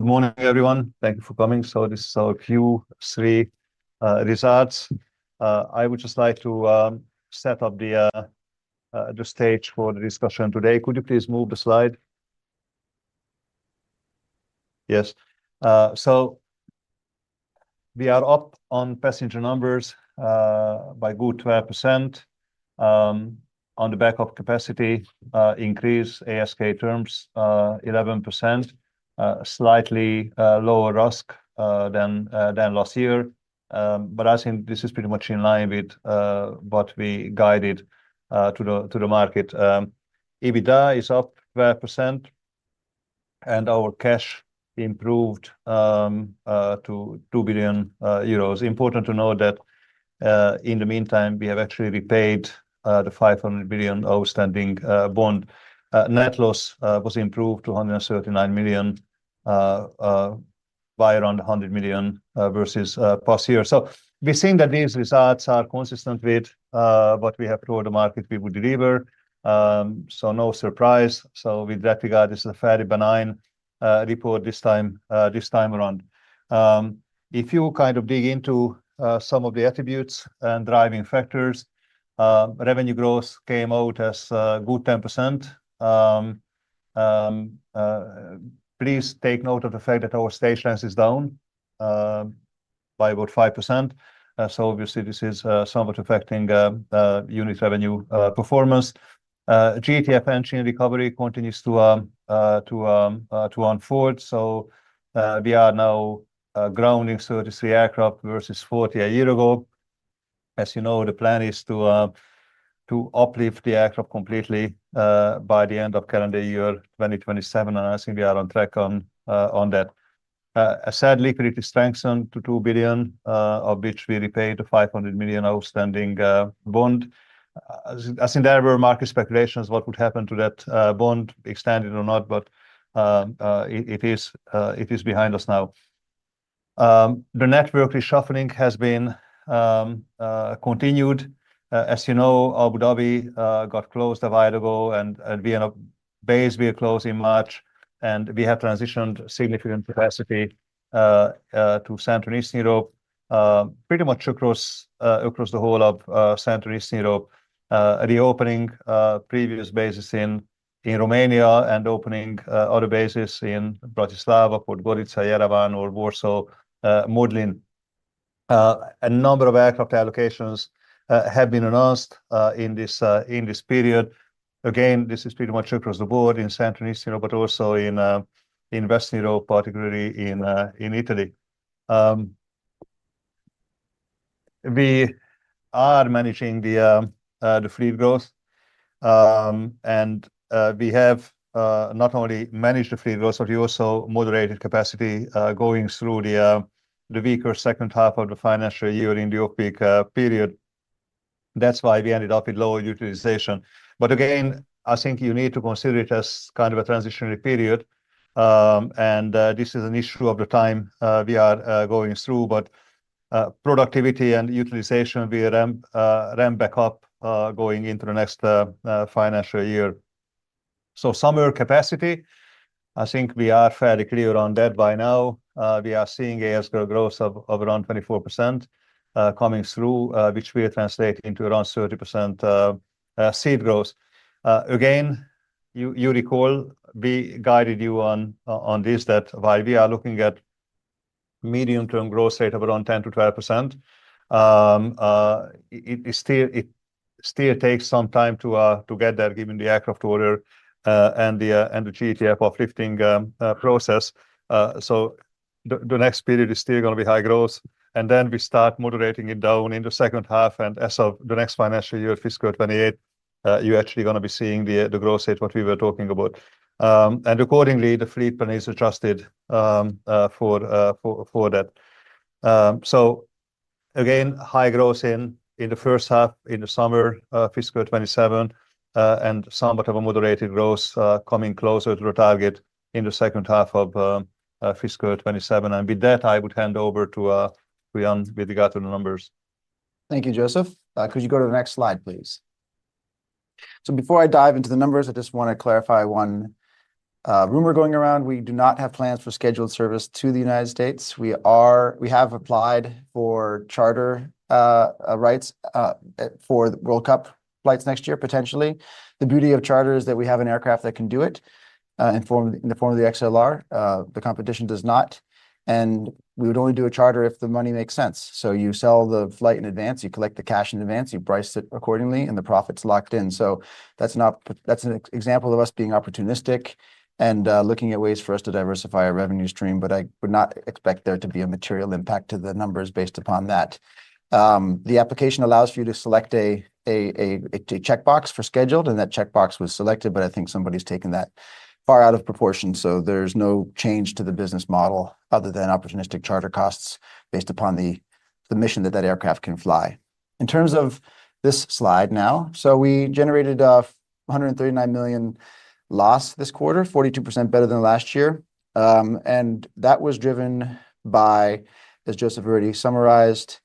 Good morning, everyone. Thank you for coming. So this is our Q3 results. I would just like to set up the stage for the discussion today. Could you please move the slide? Yes. So we are up on passenger numbers by a good 12% on the back of capacity increase ASK terms 11%, slightly lower RASK than last year. But I think this is pretty much in line with what we guided to the market. EBITDA is up 5%, and our cash improved to 2 billion euros. Important to note that in the meantime, we have actually repaid the 500 million outstanding bond. Net loss was improved to 139 million by around 100 million versus last year. So we're seeing that these results are consistent with what we have told the market we would deliver. So no surprise. So with that regard, this is a fairly benign report this time around. If you kind of dig into some of the attributes and driving factors, revenue growth came out as a good 10%. Please take note of the fact that our stage length is down by about 5%. So obviously, this is somewhat affecting unit revenue performance. GTF engine recovery continues to unfold. So we are now grounding 33 aircraft versus 40 a year ago. As you know, the plan is to uplift the aircraft completely by the end of current year, 2027, and I think we are on track on that. Sadly, liquidity strengthened to 2 billion, of which we repaid the 500 million outstanding bond. I think there were market speculations what would happen to that bond, extended or not, but it is behind us now. The network reshuffling has been continued. As you know, Abu Dhabi got closed a while ago, and Vienna base we are closed in March, and we have transitioned significant capacity to Central Eastern Europe, pretty much across the whole of Central Eastern Europe. Reopening previous bases in Romania and opening other bases in Bratislava, Podgorica, Yerevan, or Warsaw Modlin. A number of aircraft allocations have been announced in this period. Again, this is pretty much across the board in Central Eastern Europe, but also in Western Europe, particularly in Italy. We are managing the fleet growth. We have not only managed the fleet growth, but we also moderated capacity going through the weaker second half of the financial year in the off-peak period. That's why we ended up with lower utilization. But again, I think you need to consider it as kind of a transitionary period. This is an issue at the time we are going through, but productivity and utilization will ramp back up going into the next financial year. So summer capacity, I think we are fairly clear on that by now. We are seeing ASK growth of around 24% coming through, which will translate into around 30% seat growth. Again, you recall, we guided you on this, that while we are looking at medium-term growth rate of around 10%-12%, it still takes some time to get there, given the aircraft order and the GTF uplift process. So the next period is still going to be high growth, and then we start moderating it down in the second half. As of the next financial year, fiscal 2028, you're actually going to be seeing the growth rate, what we were talking about. Accordingly, the fleet plan is adjusted for that. So again, high growth in the first half, in the summer, fiscal 2027, and somewhat of a moderated growth, coming closer to the target in the second half of fiscal 2027. With that, I would hand over to Ian with regard to the numbers. Thank you, József. Could you go to the next slide, please? So before I dive into the numbers, I just want to clarify one rumor going around. We do not have plans for scheduled service to the United States. We have applied for charter rights for the World Cup flights next year, potentially. The beauty of charter is that we have an aircraft that can do it in the form of the XLR. The competition does not, and we would only do a charter if the money makes sense. So you sell the flight in advance, you collect the cash in advance, you price it accordingly, and the profit's locked in. So that's not. That's an example of us being opportunistic and looking at ways for us to diversify our revenue stream, but I would not expect there to be a material impact to the numbers based upon that. The application allows for you to select a checkbox for scheduled, and that checkbox was selected, but I think somebody's taken that far out of proportion. So there's no change to the business model other than opportunistic charter costs based upon the mission that that aircraft can fly. In terms of this slide now, so we generated a 139 million loss this quarter, 42% better than last year. And that was driven by, as József already summarized,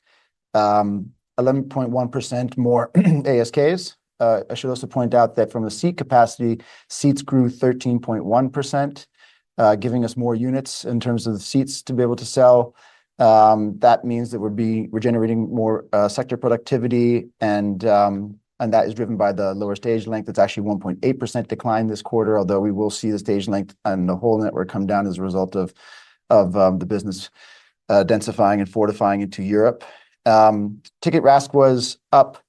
11.1% more ASKs. I should also point out that from a seat capacity, seats grew 13.1%, giving us more units in terms of the seats to be able to sell. That means that we're generating more sector productivity and that is driven by the lower stage length. That's actually 1.8% decline this quarter, although we will see the stage length and the whole network come down as a result of the business densifying and fortifying into Europe. Ticket RASK was up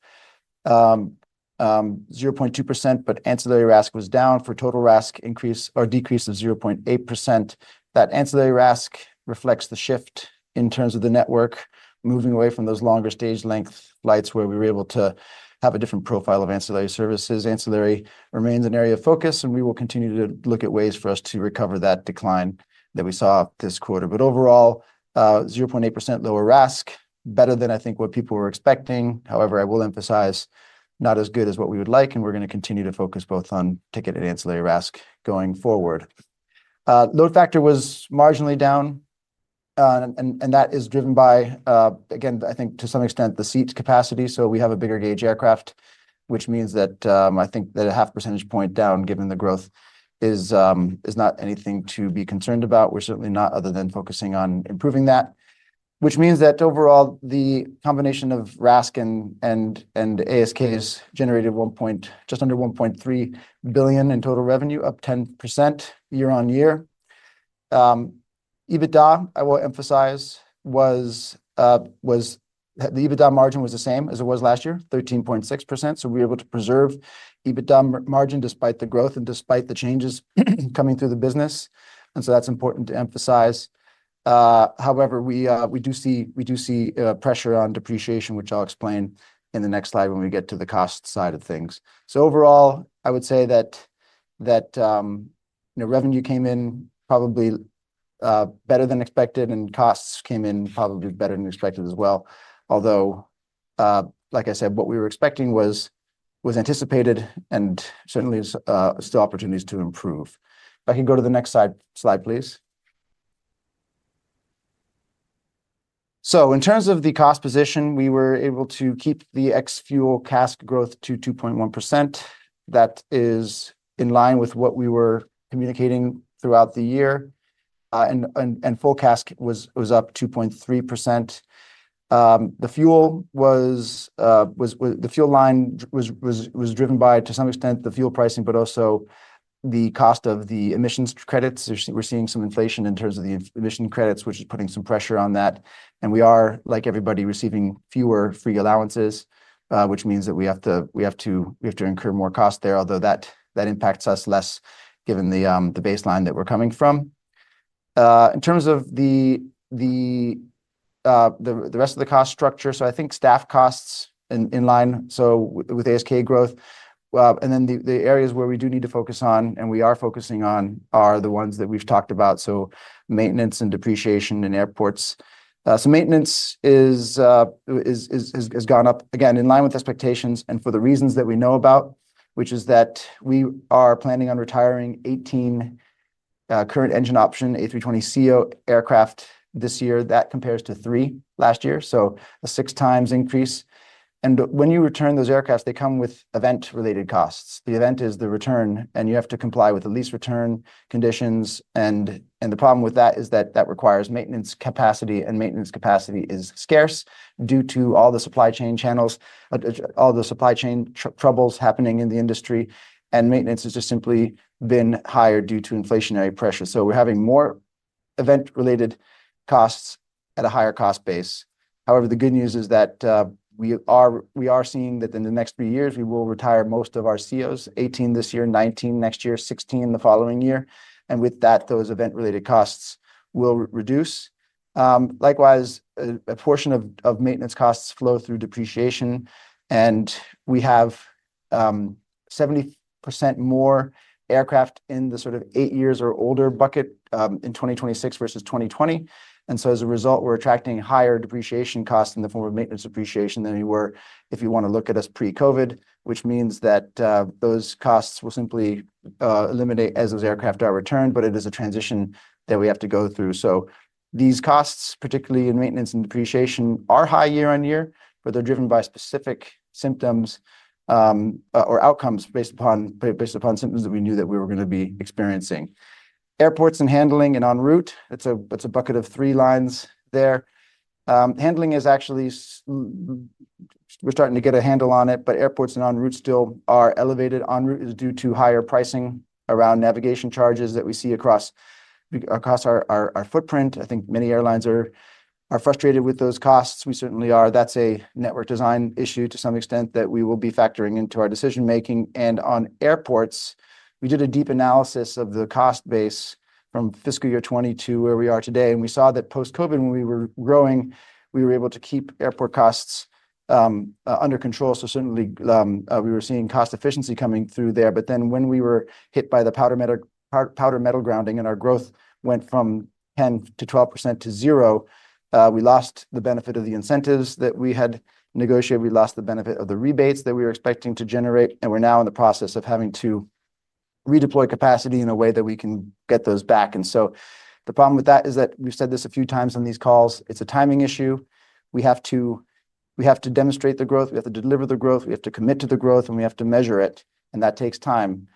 0.2%, but ancillary RASK was down for total RASK increase or decrease of 0.8%. That ancillary RASK reflects the shift in terms of the network, moving away from those longer stage length flights, where we were able to have a different profile of ancillary services. Ancillary remains an area of focus, and we will continue to look at ways for us to recover that decline that we saw this quarter. But overall, 0.8% lower RASK, better than I think what people were expecting. However, I will emphasize, not as good as what we would like, and we're going to continue to focus both on ticket and ancillary RASK going forward. Load factor was marginally down, and that is driven by, again, I think to some extent, the seat capacity. So we have a bigger gauge aircraft, which means that, I think that a half percentage point down, given the growth is, is not anything to be concerned about. We're certainly not, other than focusing on improving that. Which means that overall, the combination of RASK and ASKs generated just under 1.3 billion in total revenue, up 10% year-on-year. EBITDA, I will emphasize, was, the EBITDA margin was the same as it was last year, 13.6%. So we were able to preserve EBITDA margin despite the growth and despite the changes coming through the business, and so that's important to emphasize. However, we do see pressure on depreciation, which I'll explain in the next slide when we get to the cost side of things. So overall, I would say that, you know, revenue came in probably better than expected, and costs came in probably better than expected as well. Although, like I said, what we were expecting was anticipated and certainly is still opportunities to improve. If I can go to the next slide, please. So in terms of the cost position, we were able to keep the ex-fuel CASK growth to 2.1%. That is in line with what we were communicating throughout the year. And full CASK was up 2.3%. The fuel line was driven by, to some extent, the fuel pricing, but also the cost of the emissions credits. We're seeing some inflation in terms of the emission credits, which is putting some pressure on that, and we are, like everybody, receiving fewer free allowances, which means that we have to incur more cost there, although that impacts us less, given the baseline that we're coming from. In terms of the rest of the cost structure, so I think staff costs in line so with ASK growth. And then the areas where we do need to focus on, and we are focusing on, are the ones that we've talked about, so maintenance and depreciation in airports. So maintenance has gone up, again, in line with expectations and for the reasons that we know about, which is that we are planning on retiring 18 current engine option A320ceo aircraft this year. That compares to 3 last year, so a 6 times increase. And when you return those aircraft, they come with event-related costs. The event is the return, and you have to comply with the lease return conditions. And the problem with that is that that requires maintenance capacity, and maintenance capacity is scarce due to all the supply chain channels, all the supply chain troubles happening in the industry. And maintenance has just simply been higher due to inflationary pressure. So we're having more event-related costs at a higher cost base. However, the good news is that we are seeing that in the next three years, we will retire most of our A320ceos, 18 this year, 19 next year, 16 the following year, and with that, those event-related costs will reduce. Likewise, a portion of maintenance costs flow through depreciation, and we have 70% more aircraft in the sort of 8 years or older bucket in 2026 versus 2020. And so as a result, we're attracting higher depreciation costs in the form of maintenance depreciation than we were if you want to look at us pre-COVID, which means that those costs will simply eliminate as those aircraft are returned, but it is a transition that we have to go through. So these costs, particularly in maintenance and depreciation, are high year-over-year, but they're driven by specific symptoms or outcomes based upon symptoms that we knew that we were going to be experiencing. Airports and handling and en route, it's a bucket of three lines there. Handling is actually we're starting to get a handle on it, but airports and en route still are elevated. En route is due to higher pricing around navigation charges that we see across our footprint. I think many airlines are frustrated with those costs. We certainly are. That's a network design issue to some extent, that we will be factoring into our decision making. On airports, we did a deep analysis of the cost base from fiscal year 2020 to where we are today, and we saw that post-COVID, when we were growing, we were able to keep airport costs under control. So certainly, we were seeing cost efficiency coming through there. But then when we were hit by the powder metal grounding and our growth went from 10%-12% to 0%, we lost the benefit of the incentives that we had negotiated. We lost the benefit of the rebates that we were expecting to generate, and we're now in the process of having to redeploy capacity in a way that we can get those back. And so the problem with that is that, we've said this a few times on these calls, it's a timing issue. We have to demonstrate the growth, we have to deliver the growth, we have to commit to the growth, and we have to measure it, and that takes time.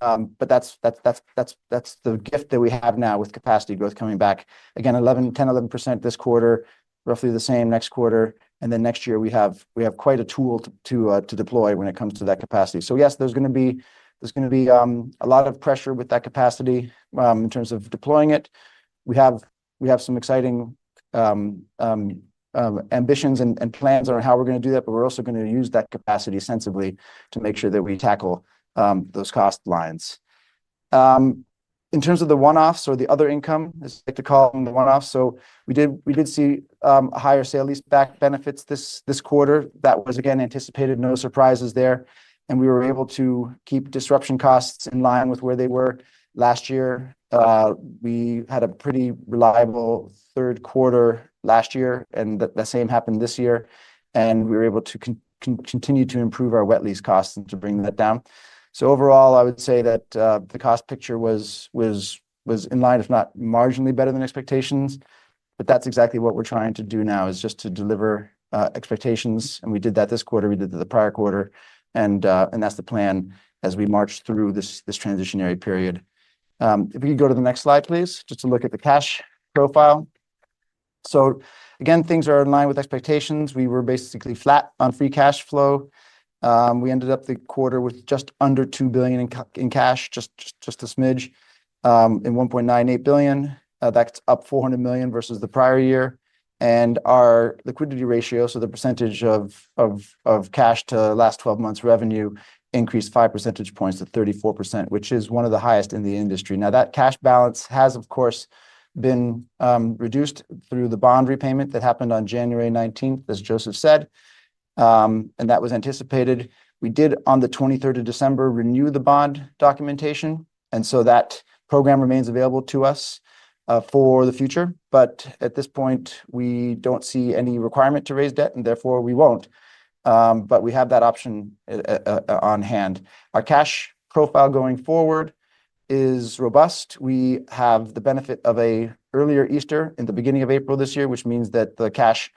But that's the gift that we have now with capacity growth coming back. Again, 11, 10, 11% this quarter, roughly the same next quarter, and then next year we have quite a tool to deploy when it comes to that capacity. So yes, there's gonna be a lot of pressure with that capacity in terms of deploying it. We have some exciting ambitions and plans on how we're gonna do that, but we're also gonna use that capacity sensibly to make sure that we tackle those cost lines. In terms of the one-offs or the other income, as I like to call them, the one-offs. So we did see a higher sale-leaseback benefits this quarter. That was again anticipated. No surprises there, and we were able to keep disruption costs in line with where they were last year. We had a pretty reliable third quarter last year, and the same happened this year, and we were able to continue to improve our wet lease costs and to bring that down. So overall, I would say that the cost picture was in line, if not marginally better than expectations. But that's exactly what we're trying to do now, is just to deliver expectations, and we did that this quarter, we did it the prior quarter, and, and that's the plan as we march through this transitory period. If you could go to the next slide, please, just to look at the cash profile. So again, things are in line with expectations. We were basically flat on free cash flow. We ended up the quarter with just under 2 billion in cash, just a smidge, and 1.98 billion. That's up 400 million versus the prior year. And our liquidity ratio, so the percentage of cash to last twelve months' revenue, increased 5 percentage points to 34%, which is one of the highest in the industry. Now, that cash balance has of course, been reduced through the bond repayment that happened on January nineteenth, as Joseph said, and that was anticipated. We did, on the twenty-third of December, renew the bond documentation, and so that program remains available to us, for the future. But at this point, we don't see any requirement to raise debt, and therefore we won't, but we have that option on hand. Our cash profile going forward is robust. We have the benefit of a earlier Easter in the beginning of April this year, which means that the cash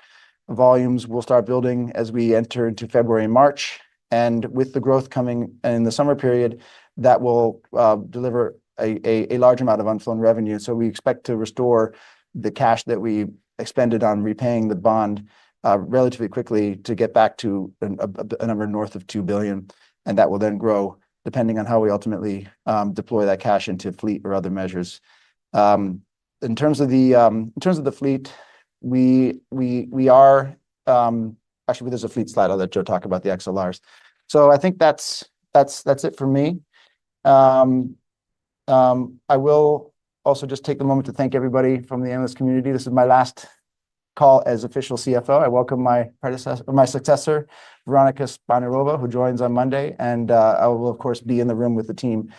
volumes will start building as we enter into February and March. And with the growth coming in the summer period, that will deliver a large amount of unflown revenue. So we expect to restore the cash that we expended on repaying the bond, relatively quickly to get back to a number north of 2 billion, and that will then grow, depending on how we ultimately deploy that cash into fleet or other measures. In terms of the fleet, we are. Actually, there's a fleet slide. I'll let Joe talk about the XLRs. So I think that's it for me. I will also just take a moment to thank everybody from the analyst community. This is my last call as official CFO. I welcome my predecessor, my successor, Veronika Špaňárová, who joins on Monday, and I will, of course, be in the room with the team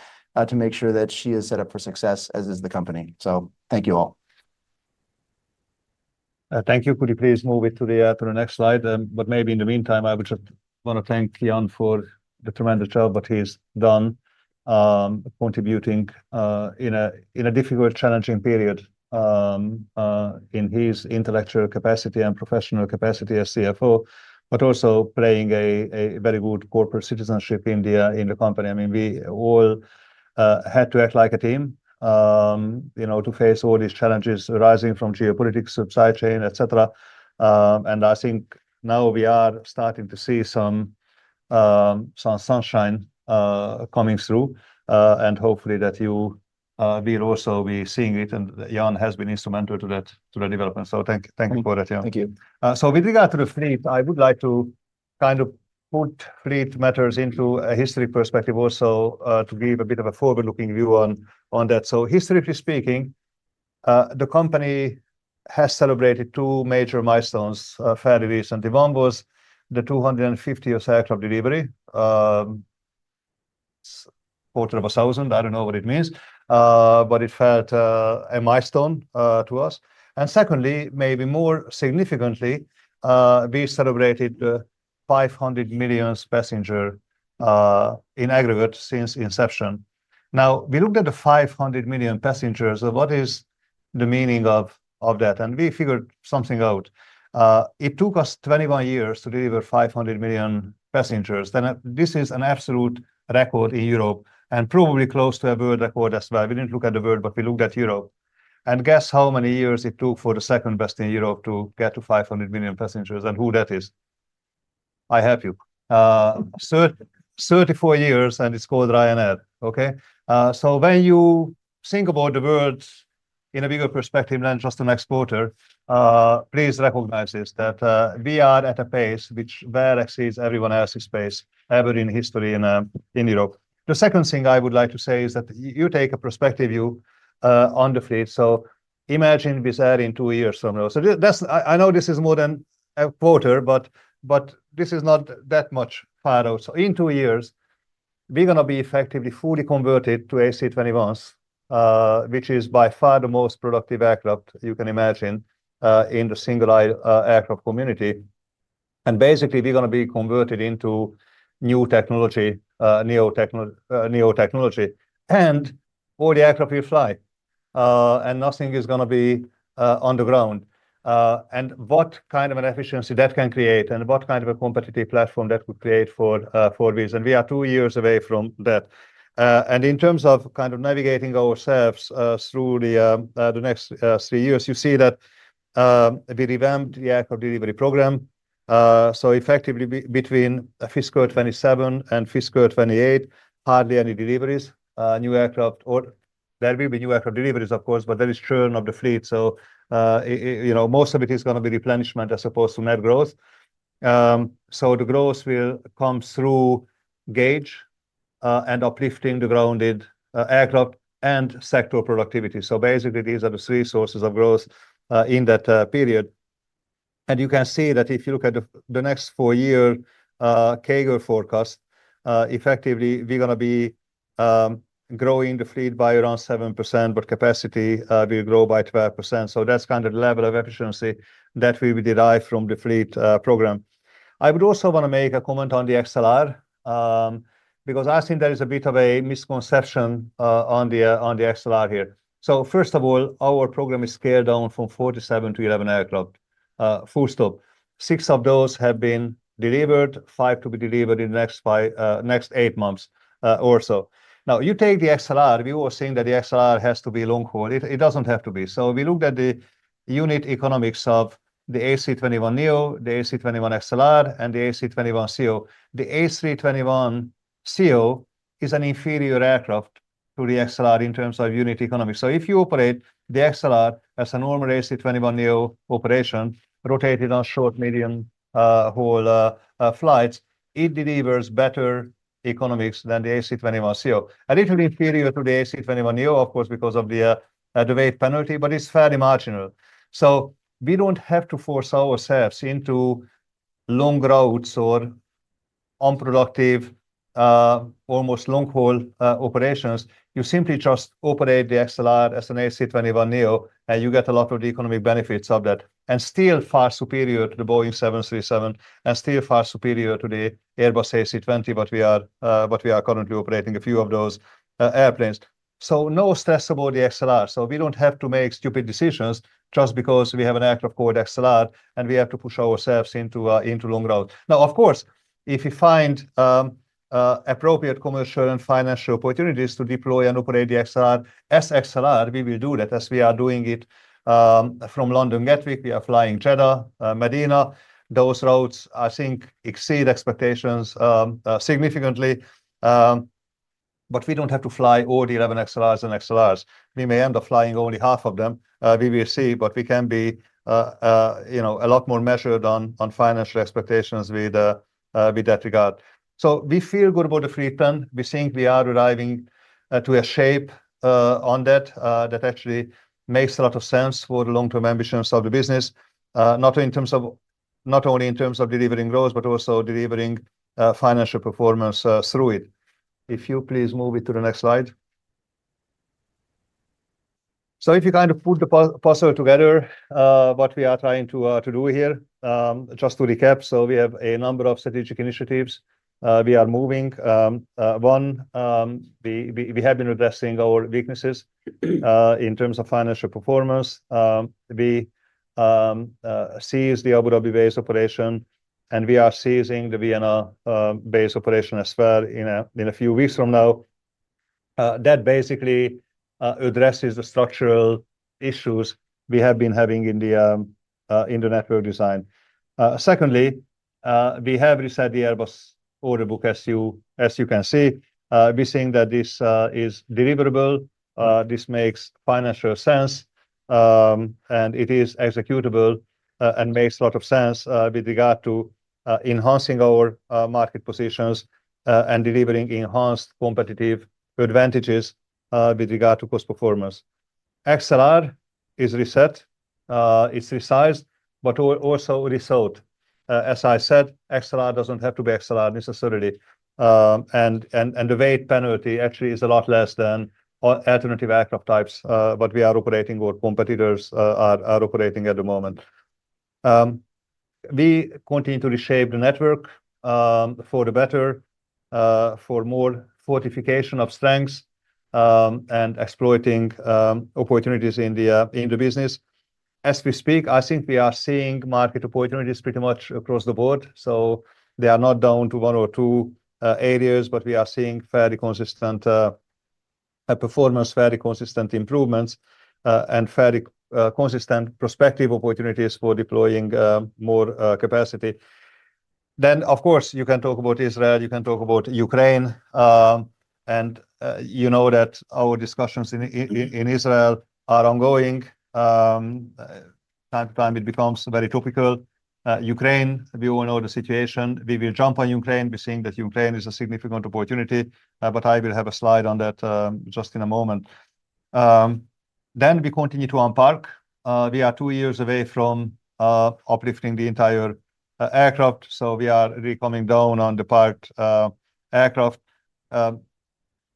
to make sure that she is set up for success, as is the company. Thank you, all. Thank you. Could you please move it to the, to the next slide? But maybe in the meantime, I would just want to thank Ian for the tremendous job that he's done, contributing, in a, in a difficult, challenging period, in his intellectual capacity and professional capacity as CFO, but also playing a very good corporate citizenship in the, in the company. I mean, we all, had to act like a team, you know, to face all these challenges arising from geopolitics, supply chain, et cetera. And I think now we are starting to see some, some sunshine, coming through, and hopefully, that you, will also be seeing it, and Ian has been instrumental to that, to the development. So thank you for that, Ian. Thank you. So with regard to the fleet, I would like to kind of put fleet matters into a history perspective also, to give a bit of a forward-looking view on, on that. So historically speaking, the company has celebrated two major milestones, fairly recent. One was the 250th aircraft delivery, 250. I don't know what it means, but it felt, a milestone, to us. And secondly, maybe more significantly, we celebrated the 500 millionth passenger, in aggregate since inception. Now, we looked at the 500 million passengers. So what is the meaning of, of that? And we figured something out. It took us 21 years to deliver 500 million passengers. Then, this is an absolute record in Europe and probably close to a world record as well. We didn't look at the world, but we looked at Europe. And guess how many years it took for the second best in Europe to get to 500 million passengers and who that is? I help you. 34 years, and it's called Ryanair. Okay? So when you think about the world in a bigger perspective than just an exporter, please recognize this, that we are at a pace which far exceeds everyone else's pace ever in history in Europe. The second thing I would like to say is that you take a prospective view on the fleet. So imagine Wizz Air in 2 years from now. So that's. I know this is more than a quarter, but this is not that much far out. In two years, we're gonna be effectively fully converted to A321s, which is by far the most productive aircraft you can imagine in the single-aisle aircraft community. And basically, we're gonna be converted into new technology, neo technology, and all the aircraft will fly, and nothing is gonna be on the ground. And what kind of an efficiency that can create, and what kind of a competitive platform that would create for this? We are two years away from that. And in terms of kind of navigating ourselves through the next three years, you see that we revamped the aircraft delivery program. So effectively between fiscal 2027 and fiscal 2028, hardly any deliveries, new aircraft or there will be new aircraft deliveries, of course, but there is churn of the fleet. So, you know, most of it is gonna be replenishment as opposed to net growth. So the growth will come through gauge, and uplifting the grounded aircraft and sector productivity. So basically, these are the three sources of growth, in that period. And you can see that if you look at the, the next 4-year CAGR forecast, effectively, we're gonna be growing the fleet by around 7%, but capacity will grow by 12%. So that's kind of the level of efficiency that we will derive from the fleet program. I would also want to make a comment on the XLR, because I think there is a bit of a misconception on the XLR here. So first of all, our program is scaled down from 47 to 11 aircraft. Full stop. Six of those have been delivered, five to be delivered in the next eight months or so. Now, you take the XLR. We were saying that the XLR has to be long haul. It, it doesn't have to be. So we looked at the unit economics of the A321neo, the A321XLR, and the A321ceo. The A321ceo is an inferior aircraft to the XLR in terms of unit economics. So if you operate the XLR as a normal A321neo operation, rotated on short, medium-haul flights, it delivers better economics than the A321ceo. A little inferior to the A321neo, of course, because of the weight penalty, but it's fairly marginal. So we don't have to force ourselves into long routes or unproductive almost long-haul operations. You simply just operate the XLR as an A321neo, and you get a lot of the economic benefits of that, and still far superior to the Boeing 737, and still far superior to the Airbus A320. But we are, but we are currently operating a few of those airplanes. So no stress about the XLR. So we don't have to make stupid decisions just because we have an aircraft called XLR, and we have to push ourselves into long route. Now, of course, if you find appropriate commercial and financial opportunities to deploy and operate the XLR, as XLR, we will do that as we are doing it from London, Gatwick. We are flying Jeddah, Medina. Those routes, I think, exceed expectations significantly. But we don't have to fly all the 11 XLRs and XLRs. We may end up flying only half of them. We will see, but we can be, you know, a lot more measured on financial expectations with that regard. So we feel good about the fleet plan. We think we are arriving to a shape on that that actually makes a lot of sense for the long-term ambitions of the business. Not in terms of, not only in terms of delivering growth, but also delivering financial performance through it. If you please move it to the next slide. So if you kind of put the puzzle together, what we are trying to do here, just to recap, so we have a number of strategic initiatives. We are moving. One, we have been addressing our weaknesses in terms of financial performance. We cease the Abu Dhabi-based operation, and we are ceasing the Vienna base operation as well in a few weeks from now. That basically addresses the structural issues we have been having in the network design. Secondly, we have reset the Airbus order book, as you can see. We're seeing that this is deliverable, this makes financial sense, and it is executable, and makes a lot of sense with regard to enhancing our market positions, and delivering enhanced competitive advantages with regard to cost performance. XLR is reset, it's resized, but also resold. As I said, XLR doesn't have to be XLR necessarily. And the weight penalty actually is a lot less than alternative aircraft types what we are operating, or competitors are operating at the moment. We continue to reshape the network for the better, for more fortification of strengths, and exploiting opportunities in the business. As we speak, I think we are seeing market opportunities pretty much across the board, so they are not down to one or two areas, but we are seeing fairly consistent performance, fairly consistent improvements, and fairly consistent prospective opportunities for deploying more capacity. Then, of course, you can talk about Israel, you can talk about Ukraine, and you know that our discussions in Israel are ongoing. From time to time, it becomes very topical. Ukraine, we all know the situation. We will jump on Ukraine. We're seeing that Ukraine is a significant opportunity, but I will have a slide on that just in a moment. Then we continue to unpark. We are two years away from uplifting the entire aircraft, so we are really coming down on the parked aircraft.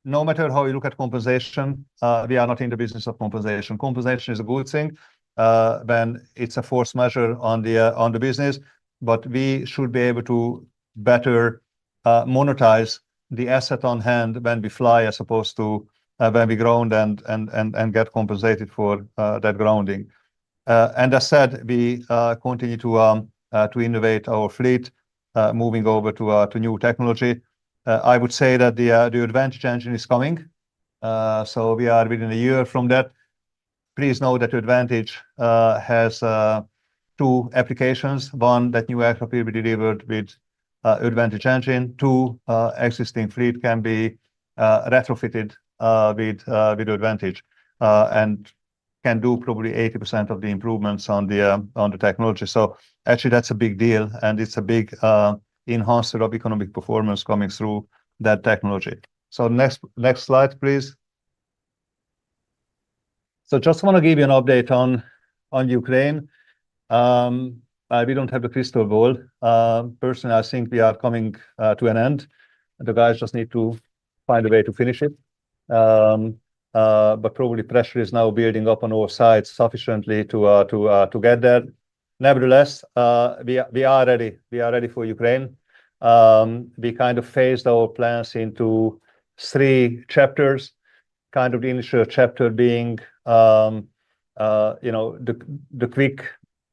No matter how you look at compensation, we are not in the business of compensation. Compensation is a good thing when it's a forced measure on the business, but we should be able to better monetize the asset on hand when we fly, as opposed to when we ground and get compensated for that grounding. And as said, we continue to innovate our fleet, moving over to new technology. I would say that the Advantage engine is coming. So we are within a year from that. Please know that Advantage has two applications: one, that new aircraft will be delivered with Advantage engine; two, existing fleet can be retrofitted with Advantage, and can do probably 80% of the improvements on the technology. So actually, that's a big deal, and it's a big enhancer of economic performance coming through that technology. So next slide, please. So just want to give you an update on Ukraine. We don't have a crystal ball. Personally, I think we are coming to an end, and the guys just need to find a way to finish it. But probably pressure is now building up on all sides sufficiently to get there. Nevertheless, we are ready. We are ready for Ukraine. We kind of phased our plans into three chapters, kind of the initial chapter being you know, the quick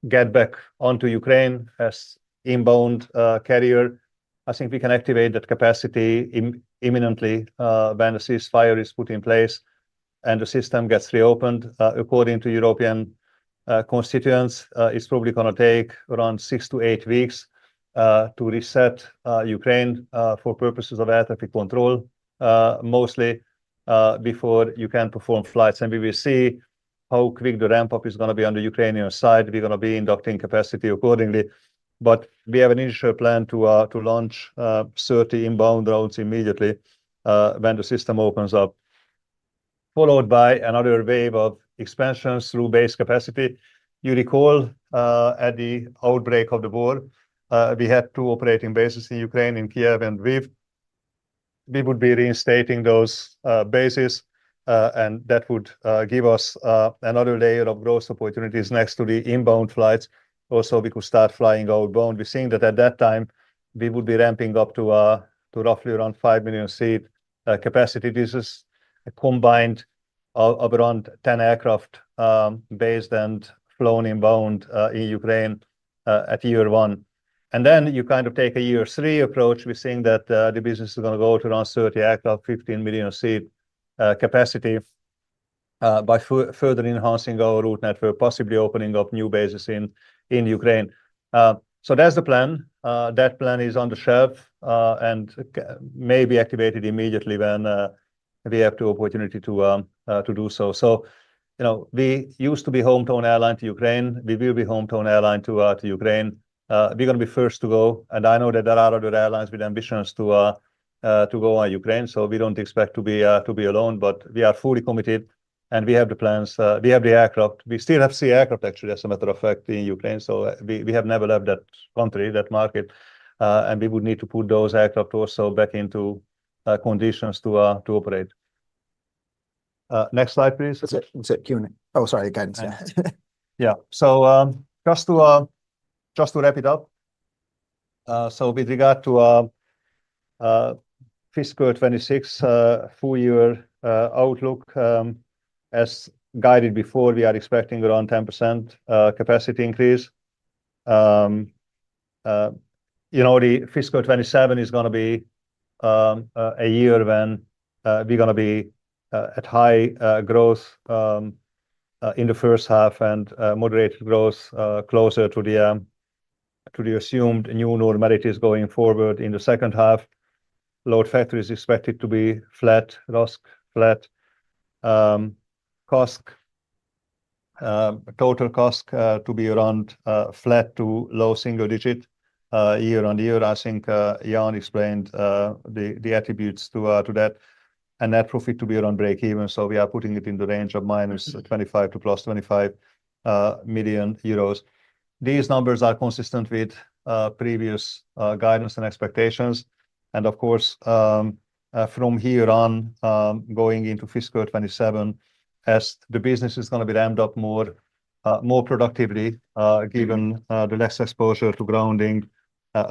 get back onto Ukraine as inbound carrier. I think we can activate that capacity imminently when the ceasefire is put in place and the system gets reopened. According to European constituents, it's probably gonna take around 6-8 weeks to reset Ukraine for purposes of air traffic control, mostly, before you can perform flights. And we will see how quick the ramp-up is gonna be on the Ukrainian side. We're gonna be inducting capacity accordingly. But we have an initial plan to launch 30 inbound routes immediately when the system opens up, followed by another wave of expansions through base capacity. You recall, at the outbreak of the war, we had two operating bases in Ukraine, in Kiev and Lviv. We would be reinstating those bases, and that would give us another layer of growth opportunities next to the inbound flights. Also, we could start flying outbound. We're seeing that at that time, we would be ramping up to roughly around 5 million seat capacity. This is a combined of around 10 aircraft, based and flown inbound, in Ukraine, at year one. And then you kind of take a year three approach. We're seeing that the business is gonna go to around 30 aircraft, 15 million seat capacity, by further enhancing our route network, possibly opening up new bases in Ukraine. So that's the plan. That plan is on the shelf and may be activated immediately when we have the opportunity to do so. So, you know, we used to be hometown airline to Ukraine. We will be hometown airline to Ukraine. We're gonna be first to go, and I know that there are other airlines with ambitions to go into Ukraine, so we don't expect to be alone. But we are fully committed, and we have the plans. We have the aircraft. We still have ceo aircraft, actually, as a matter of fact, in Ukraine, so we have never left that country, that market, and we would need to put those aircraft also back into conditions to operate. Next slide, please. That's it. That's it. Q&A. Oh, sorry, go ahead. Yeah. So, just to wrap it up, so with regard to fiscal 26 full year outlook, as guided before, we are expecting around 10% capacity increase. You know, the fiscal 27 is gonna be a year when we're gonna be at high growth in the first half and moderate growth closer to the to the assumed new normalities going forward in the second half. Load factor is expected to be flat. RASK flat. CASK total CASK to be around flat to low single digit year-on-year. I think Ian explained the the attributes to to that. Net profit to be around breakeven, so we are putting it in the range of -25 million euros to +25 million. These numbers are consistent with previous guidance and expectations, and of course, from here on, going into fiscal 2027, as the business is gonna be ramped up more, more productively, given the less exposure to grounding,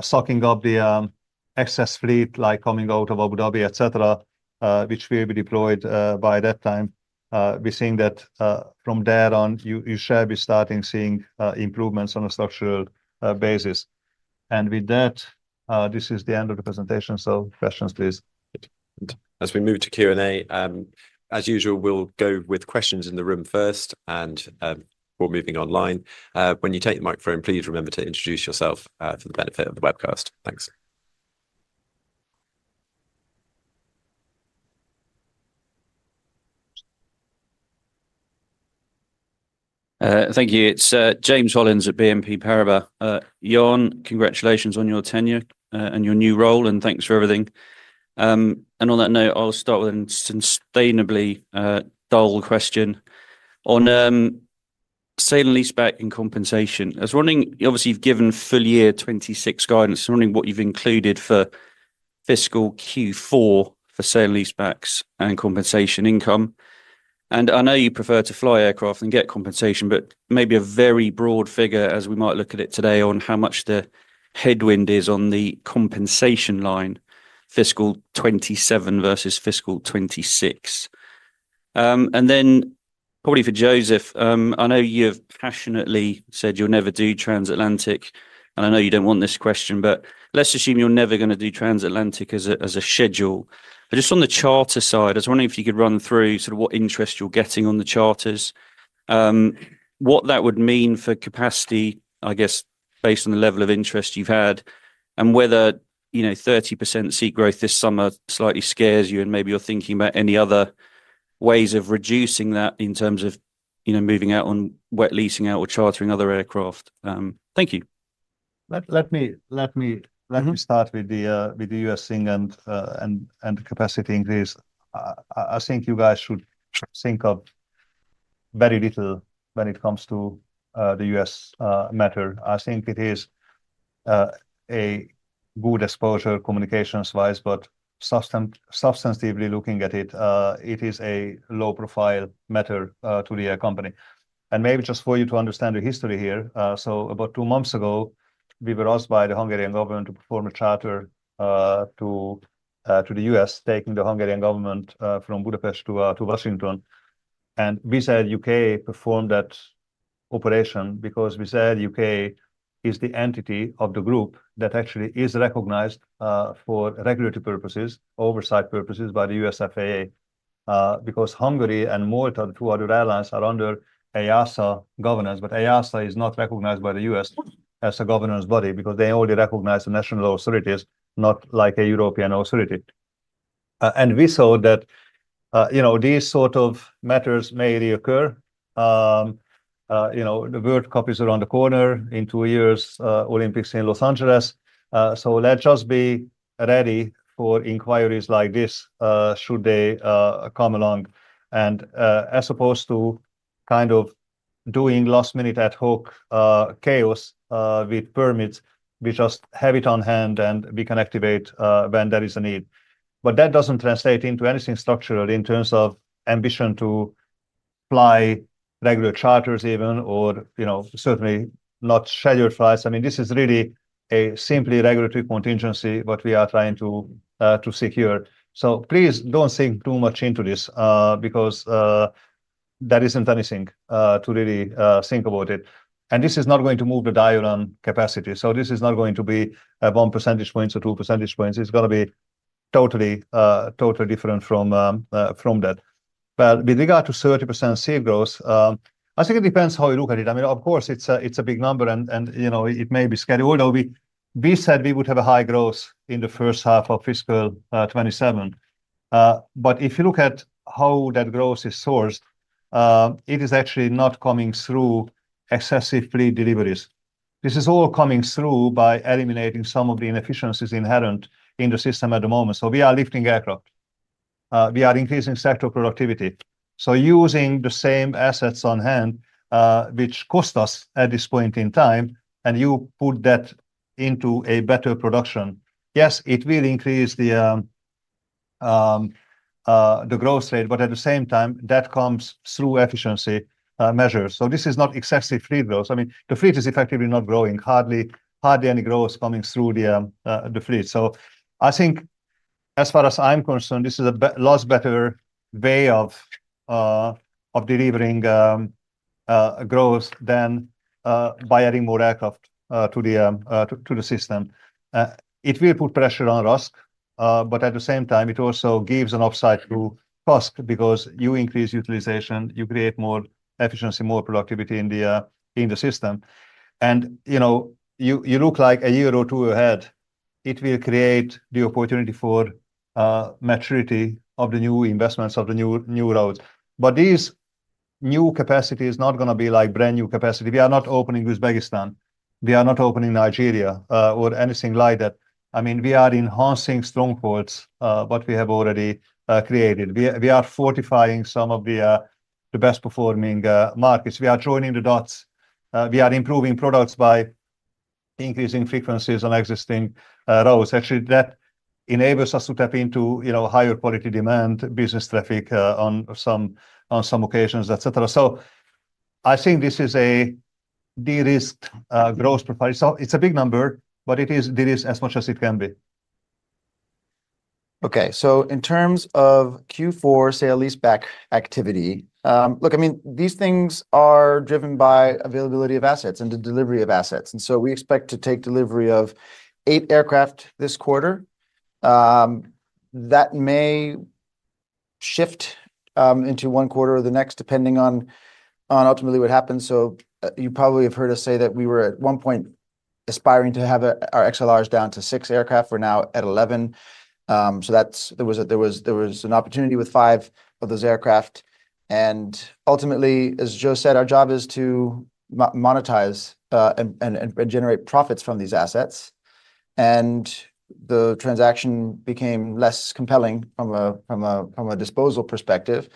stocking up the excess fleet, like coming out of Abu Dhabi, et cetera, which will be deployed by that time. We're seeing that from there on, you you should be starting seeing improvements on a structural basis. And with that, this is the end of the presentation, so questions, please. As we move to Q&A, as usual, we'll go with questions in the room first and, we're moving online. When you take the microphone, please remember to introduce yourself, for the benefit of the webcast. Thanks. Thank you. It's James Hollins at BNP Paribas. Ian, congratulations on your tenure and your new role, and thanks for everything. And on that note, I'll start with a sustainably dull question. On. Sale and leaseback and compensation. I was wondering, obviously, you've given full year 2026 guidance. I'm wondering what you've included for fiscal Q4 for sale leasebacks and compensation income. And I know you prefer to fly aircraft than get compensation, but maybe a very broad figure, as we might look at it today, on how much the headwind is on the compensation line, fiscal 2027 versus fiscal 2026. And then probably for József, I know you've passionately said you'll never do transatlantic, and I know you don't want this question, but let's assume you're never gonna do transatlantic as a, as a schedule. But just on the charter side, I was wondering if you could run through sort of what interest you're getting on the charters, what that would mean for capacity, I guess, based on the level of interest you've had, and whether, you know, 30% seat growth this summer slightly scares you, and maybe you're thinking about any other ways of reducing that in terms of, you know, moving out on wet leasing out or chartering other aircraft. Thank you. Let me- Mm-hmm. let me start with the U.S. thing and capacity increase. I think you guys should think of very little when it comes to the U.S. matter. I think it is a good exposure communications-wise, but substantively looking at it, it is a low-profile matter to the air company. And maybe just for you to understand the history here, so about two months ago, we were asked by the Hungarian government to perform a charter to the U.S., taking the Hungarian government from Budapest to Washington. And Wizz Air UK performed that operation because Wizz Air UK is the entity of the group that actually is recognized for regulatory purposes, oversight purposes, by the U.S. FAA. Because Hungary and Malta, the two other airlines, are under EASA governance, but EASA is not recognized by the U.S. as a governance body because they only recognize the national authorities, not like a European authority. And we saw that, you know, these sort of matters may reoccur. You know, the World Cup is around the corner. In two years, Olympics in Los Angeles. So let's just be ready for inquiries like this, should they come along. And, as opposed to kind of doing last-minute ad hoc chaos with permits, we just have it on hand, and we can activate when there is a need. But that doesn't translate into anything structural in terms of ambition to fly regular charters even, or, you know, certainly not scheduled flights. I mean, this is really a simple regulatory contingency, what we are trying to secure. So please don't think too much into this, because there isn't anything to really think about it. And this is not going to move the dial on capacity, so this is not going to be one percentage points or two percentage points. It's gonna be totally different from that. But with regard to 30% seat growth, I think it depends how you look at it. I mean, of course, it's a big number and, you know, it may be scary, although we said we would have a high growth in the first half of fiscal 2027. But if you look at how that growth is sourced, it is actually not coming through excessive fleet deliveries. This is all coming through by eliminating some of the inefficiencies inherent in the system at the moment. So we are lifting aircraft. We are increasing sector productivity. So using the same assets on hand, which cost us at this point in time, and you put that into a better production, yes, it will increase the growth rate, but at the same time, that comes through efficiency measures. So this is not excessive fleet growth. I mean, the fleet is effectively not growing. Hardly any growth coming through the fleet. So I think as far as I'm concerned, this is a lots better way of delivering growth than by adding more aircraft to the system. It will put pressure on RASK, but at the same time, it also gives an upside to CASK because you increase utilization, you create more efficiency, more productivity in the system. And, you know, you look like a year or two ahead, it will create the opportunity for maturity of the new investments, of the new routes. But this new capacity is not gonna be like brand-new capacity. We are not opening Uzbekistan. We are not opening Nigeria or anything like that. I mean, we are enhancing strongholds what we have already created. We are fortifying some of the best-performing markets. We are joining the dots. We are improving products by increasing frequencies on existing routes. Actually, that enables us to tap into, you know, higher quality demand, business traffic, on some occasions, et cetera. So I think this is a de-risked growth profile. So it's a big number, but it is de-risked as much as it can be. Okay, so in terms of Q4 sale-leaseback activity, look, I mean, these things are driven by availability of assets and the delivery of assets, and so we expect to take delivery of 8 aircraft this quarter. That may shift into one quarter or the next, depending on ultimately what happens. So, you probably have heard us say that we were at one point aspiring to have our XLRs down to 6 aircraft. We're now at 11. So there was an opportunity with 5 of those aircraft, and ultimately, as Joe said, our job is to monetize and generate profits from these assets. And- . the transaction became less compelling from a disposal perspective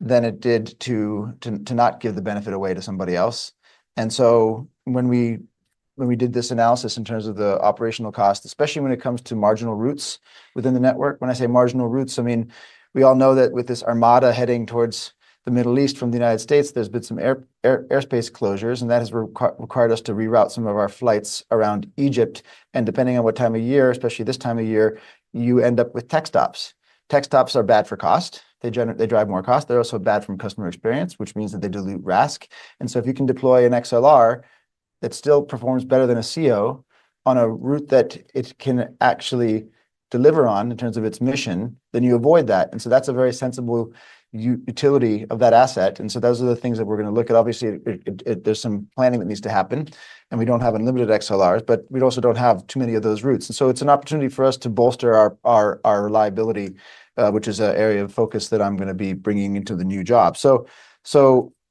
than it did to not give the benefit away to somebody else. And so when we did this analysis in terms of the operational cost, especially when it comes to marginal routes within the network. When I say marginal routes, I mean, we all know that with this armada heading towards the Middle East from the United States, there's been some airspace closures, and that has required us to reroute some of our flights around Egypt. And depending on what time of year, especially this time of year, you end up with tech stops. Tech stops are bad for cost. They drive more cost. They're also bad from customer experience, which means that they dilute RASK. And so if you can deploy an XLR that still performs better than a ceo on a route that it can actually deliver on in terms of its mission, then you avoid that. And so that's a very sensible utility of that asset. And so those are the things that we're going to look at. Obviously, there's some planning that needs to happen, and we don't have unlimited XLRs, but we also don't have too many of those routes. And so it's an opportunity for us to bolster our viability, which is an area of focus that I'm going to be bringing into the new job.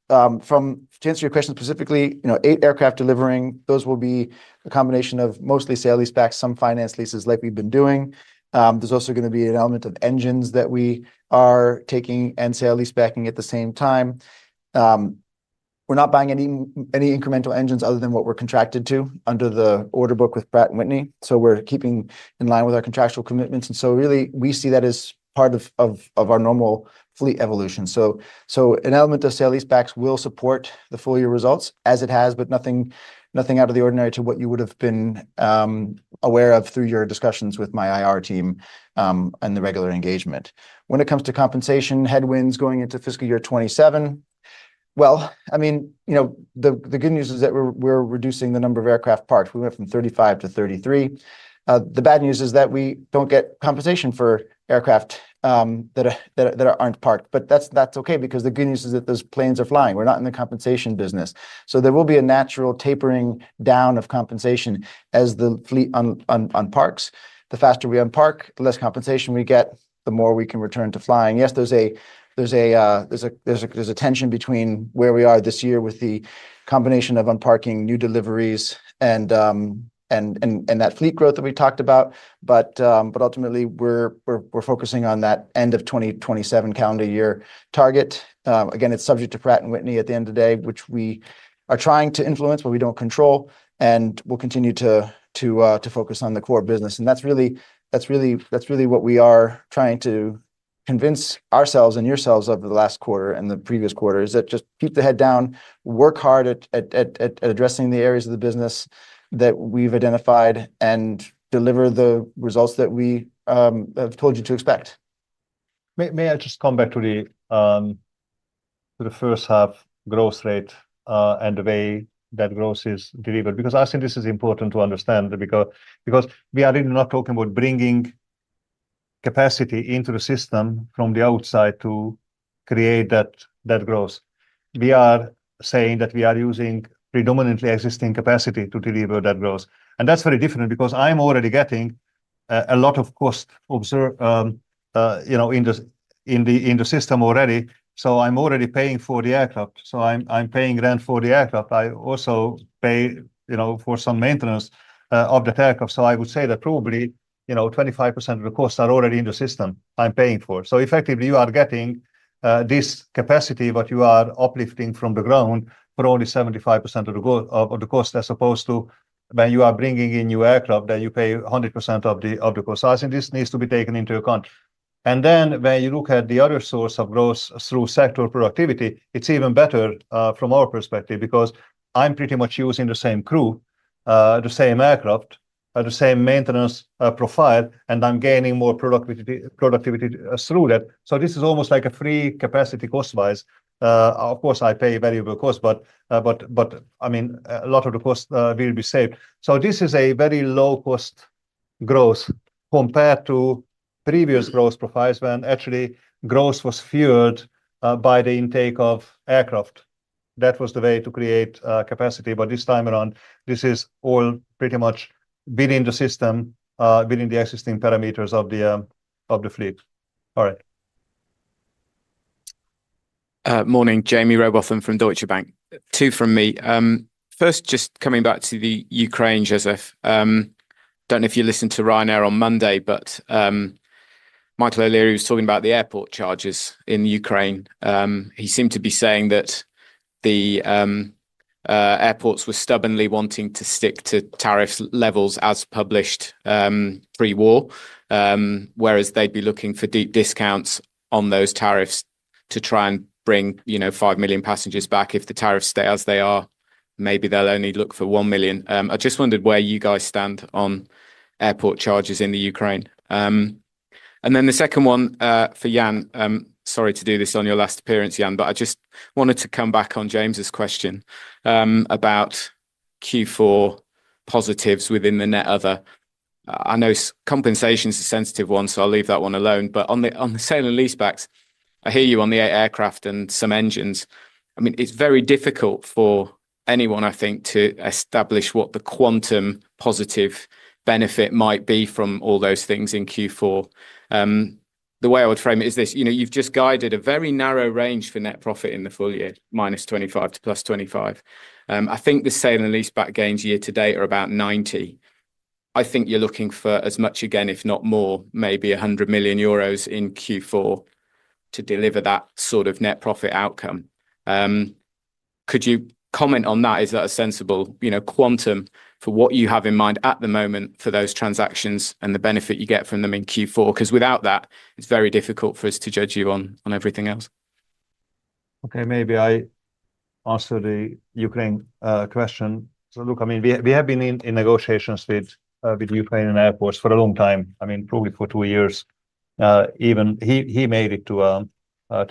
To answer your question specifically, you know, eight aircraft delivering, those will be a combination of mostly sale and leasebacks, some finance leases, like we've been doing. There's also going to be an element of engines that we are taking and sale and leaseback at the same time. We're not buying any incremental engines other than what we're contracted to under the order book with Pratt & Whitney. So we're keeping in line with our contractual commitments. And so really, we see that as part of our normal fleet evolution. So an element of sale and leasebacks will support the full year results as it has, but nothing out of the ordinary to what you would have been aware of through your discussions with my IR team and the regular engagement. When it comes to compensation headwinds going into fiscal year 2027, well, I mean, you know, the good news is that we're reducing the number of aircraft parked. We went from 35 to 33. The bad news is that we don't get compensation for aircraft that aren't parked. But that's okay, because the good news is that those planes are flying. We're not in the compensation business. So there will be a natural tapering down of compensation as the fleet unparks. The faster we unpark, the less compensation we get, the more we can return to flying. Yes, there's a tension between where we are this year with the combination of unparking new deliveries and that fleet growth that we talked about. But ultimately, we're focusing on that end of 2027 calendar year target. Again, it's subject to Pratt & Whitney at the end of the day, which we are trying to influence, but we don't control, and we'll continue to focus on the core business. And that's really, that's really, that's really what we are trying to convince ourselves and yourselves over the last quarter and the previous quarters, that just keep the head down, work hard at addressing the areas of the business that we've identified and deliver the results that we have told you to expect. May I just come back to the first half growth rate and the way that growth is delivered? Because I think this is important to understand, because we are really not talking about bringing capacity into the system from the outside to create that growth. We are saying that we are using predominantly existing capacity to deliver that growth, and that's very different because I'm already getting a lot of costs observed, you know, in the system already. So I'm already paying for the aircraft. So I'm paying rent for the aircraft. I also pay, you know, for some maintenance of that aircraft. So I would say that probably, you know, 25% of the costs are already in the system I'm paying for. So effectively, you are getting this capacity, what you are uplifting from the ground, but only 75% of the cost, as opposed to when you are bringing in new aircraft, then you pay 100% of the cost. I think this needs to be taken into account. And then when you look at the other source of growth through sector productivity, it's even better from our perspective, because I'm pretty much using the same crew, the same aircraft, the same maintenance profile, and I'm gaining more productivity through that. So this is almost like a free capacity cost-wise. Of course, I pay variable cost, but I mean, a lot of the costs will be saved. So this is a very low-cost growth compared to previous growth profiles, when actually growth was fueled by the intake of aircraft. That was the way to create capacity. But this time around, this is all pretty much within the system, within the existing parameters of the fleet. All right. Morning, Jamie Rowbotham from Deutsche Bank. Two from me. First, just coming back to the Ukraine, József. Don't know if you listened to Ryanair on Monday, but Michael O'Leary was talking about the airport charges in Ukraine. He seemed to be saying that the airports were stubbornly wanting to stick to tariff levels as published pre-war. Whereas they'd be looking for deep discounts on those tariffs to try and bring, you know, 5 million passengers back. If the tariffs stay as they are, maybe they'll only look for 1 million. I just wondered where you guys stand on airport charges in Ukraine. And then the second one for Ian. Sorry to do this on your last appearance, Ian, but I just wanted to come back on James's question about Q4 positives within the net other. I know compensation is a sensitive one, so I'll leave that one alone. But on the sale and leasebacks, I hear you on the eight aircraft and some engines. I mean, it's very difficult for anyone, I think, to establish what the quantum positive benefit might be from all those things in Q4. The way I would frame it is this, you know, you've just guided a very narrow range for net profit in the full year, -25 million to +25 million. I think the sale and leaseback gains year to date are about 90 million. I think you're looking for as much again, if not more, maybe 100 million euros in Q4 to deliver that sort of net profit outcome. Could you comment on that? Is that a sensible, you know, quantum for what you have in mind at the moment for those transactions and the benefit you get from them in Q4? 'Cause without that, it's very difficult for us to judge you on, on everything else. Okay, maybe I answer the Ukraine question. So look, I mean, we have been in negotiations with Ukraine and airports for a long time. I mean, probably for two years. Even he made it to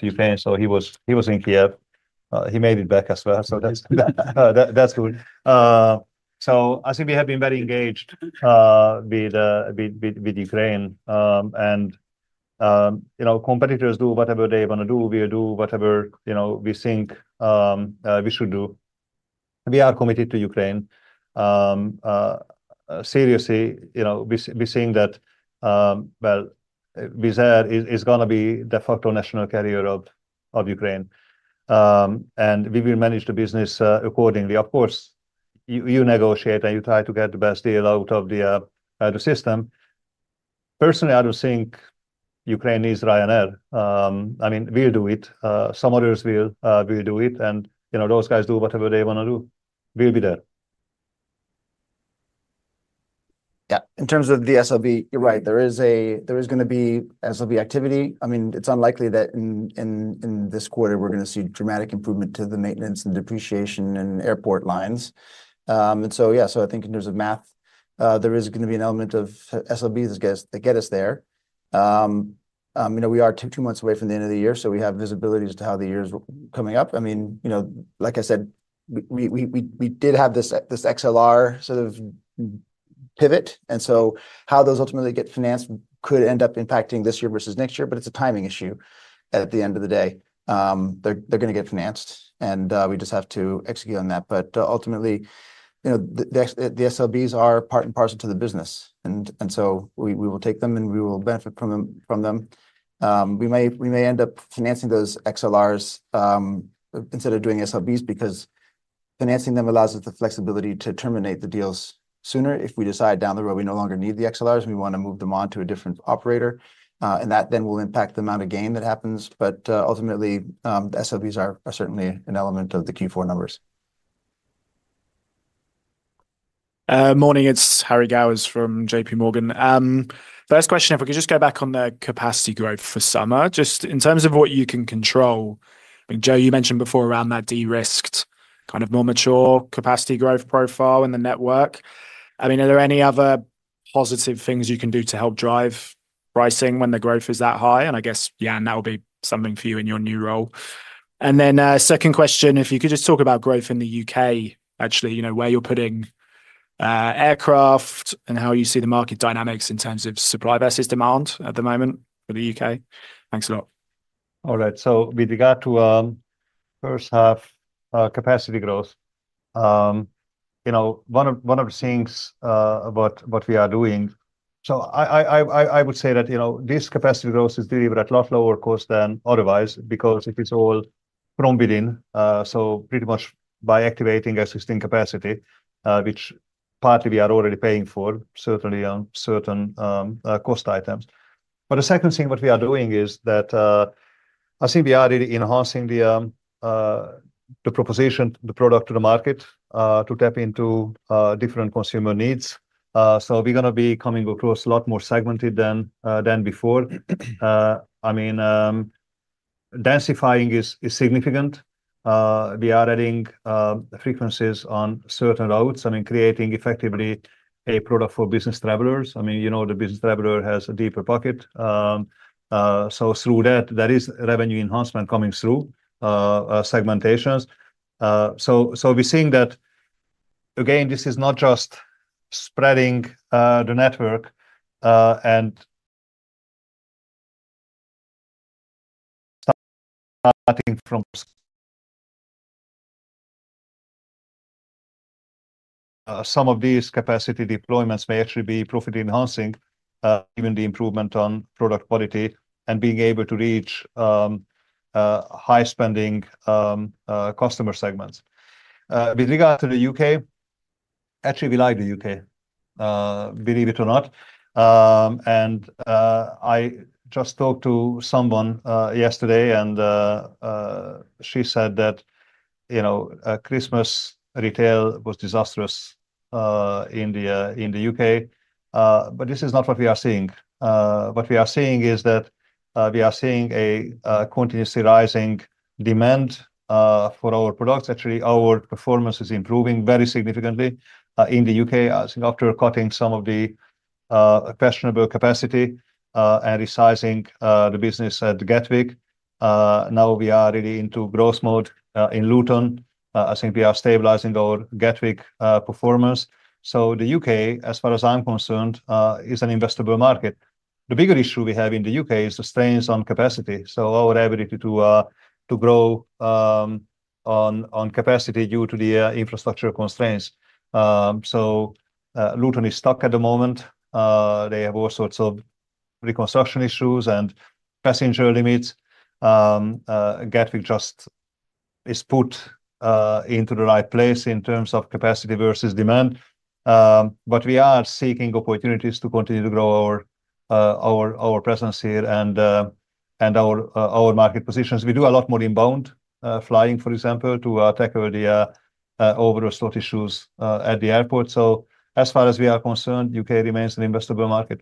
Ukraine, so he was in Kiev. He made it back as well, so that's good. So I think we have been very engaged with Ukraine. And you know, competitors do whatever they want to do. We will do whatever, you know, we think we should do. We are committed to Ukraine. Seriously, you know, we're seeing that, well, Wizz Air is gonna be de facto national carrier of Ukraine. And we will manage the business accordingly. Of course, you negotiate, and you try to get the best deal out of the system. Personally, I don't think Ukraine needs Ryanair. I mean, we'll do it. Some others will do it. You know, those guys do whatever they wanna do. We'll be there. Yeah. In terms of the SLB, you're right. There is gonna be SLB activity. I mean, it's unlikely that in this quarter, we're gonna see dramatic improvement to the maintenance and depreciation in airport lines. And so, yeah, so I think in terms of math, there is gonna be an element of SLBs that gets, that get us there. You know, we are two months away from the end of the year, so we have visibility as to how the year's coming up. I mean, you know, like I said, we did have this XLR sort of pivot, and so how those ultimately get financed could end up impacting this year versus next year, but it's a timing issue at the end of the day. They're gonna get financed, and we just have to execute on that. But ultimately, you know, the SLBs are part and parcel to the business, and so we will take them, and we will benefit from them, from them. We may end up financing those XLRs instead of doing SLBs because financing them allows us the flexibility to terminate the deals sooner if we decide down the road we no longer need the XLRs, and we want to move them on to a different operator. And that then will impact the amount of gain that happens, but ultimately, the SLBs are certainly an element of the Q4 numbers. Morning. It's Harry Gowers from J.P. Morgan. First question, if we could just go back on the capacity growth for summer, just in terms of what you can control. I mean, Joe, you mentioned before around that de-risked, kind of more mature capacity growth profile in the network. I mean, are there any other positive things you can do to help drive pricing when the growth is that high? And I guess, Ian, that will be something for you in your new role. And then, second question, if you could just talk about growth in the UK, actually, you know, where you're putting aircraft and how you see the market dynamics in terms of supply versus demand at the moment for the UK. Thanks a lot. All right. So with regard to first half capacity growth, you know, one of the things what we are doing. So I would say that, you know, this capacity growth is delivered at a lot lower cost than otherwise, because it is all from within. So pretty much by activating existing capacity, which partly we are already paying for, certainly on certain cost items. But the second thing what we are doing is that, I think we are really enhancing the proposition, the product to the market, to tap into different consumer needs. So we're gonna be coming across a lot more segmented than before. I mean, densifying is significant. We are adding frequencies on certain routes. I mean, creating effectively a product for business travelers. I mean, you know, the business traveler has a deeper pocket. So through that, there is revenue enhancement coming through segmentations. So we're seeing that, again, this is not just spreading the network and starting from. Some of these capacity deployments may actually be profit-enhancing, given the improvement on product quality and being able to reach high-spending customer segments. With regard to the UK, actually, we like the UK, believe it or not. And I just talked to someone yesterday, and she said that, you know, Christmas retail was disastrous in the UK. But this is not what we are seeing. What we are seeing is that we are seeing a continuously rising demand for our products. Actually, our performance is improving very significantly in the UK after cutting some of the fashionable capacity and resizing the business at Gatwick. Now we are really into growth mode in Luton. I think we are stabilizing our Gatwick performance. So the UK, as far as I'm concerned, is an investable market. The bigger issue we have in the UK is the strains on capacity, so our ability to grow on capacity due to the infrastructure constraints. So Luton is stuck at the moment. They have all sorts of reconstruction issues and passenger limits. Gatwick just is put into the right place in terms of capacity versus demand. But we are seeking opportunities to continue to grow our presence here and our market positions. We do a lot more inbound flying, for example, to tackle the overall slot issues at the airport. So as far as we are concerned, UK remains an investable market.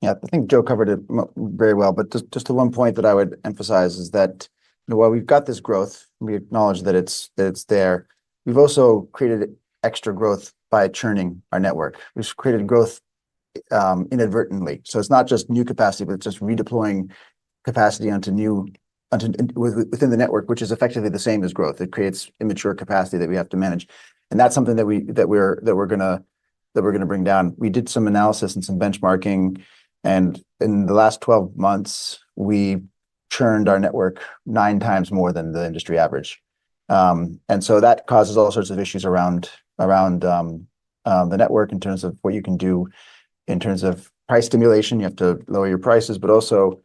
Yeah, I think Joe covered it very well, but just the one point that I would emphasize is that while we've got this growth, we acknowledge that it's there. We've also created extra growth by churning our network, which created growth inadvertently. So it's not just new capacity, but it's just redeploying capacity onto new within the network, which is effectively the same as growth. It creates immature capacity that we have to manage, and that's something that we're gonna bring down. We did some analysis and some benchmarking, and in the last 12 months, we've churned our network nine times more than the industry average. And so that causes all sorts of issues around the network in terms of what you can do. In terms of price stimulation, you have to lower your prices, but also,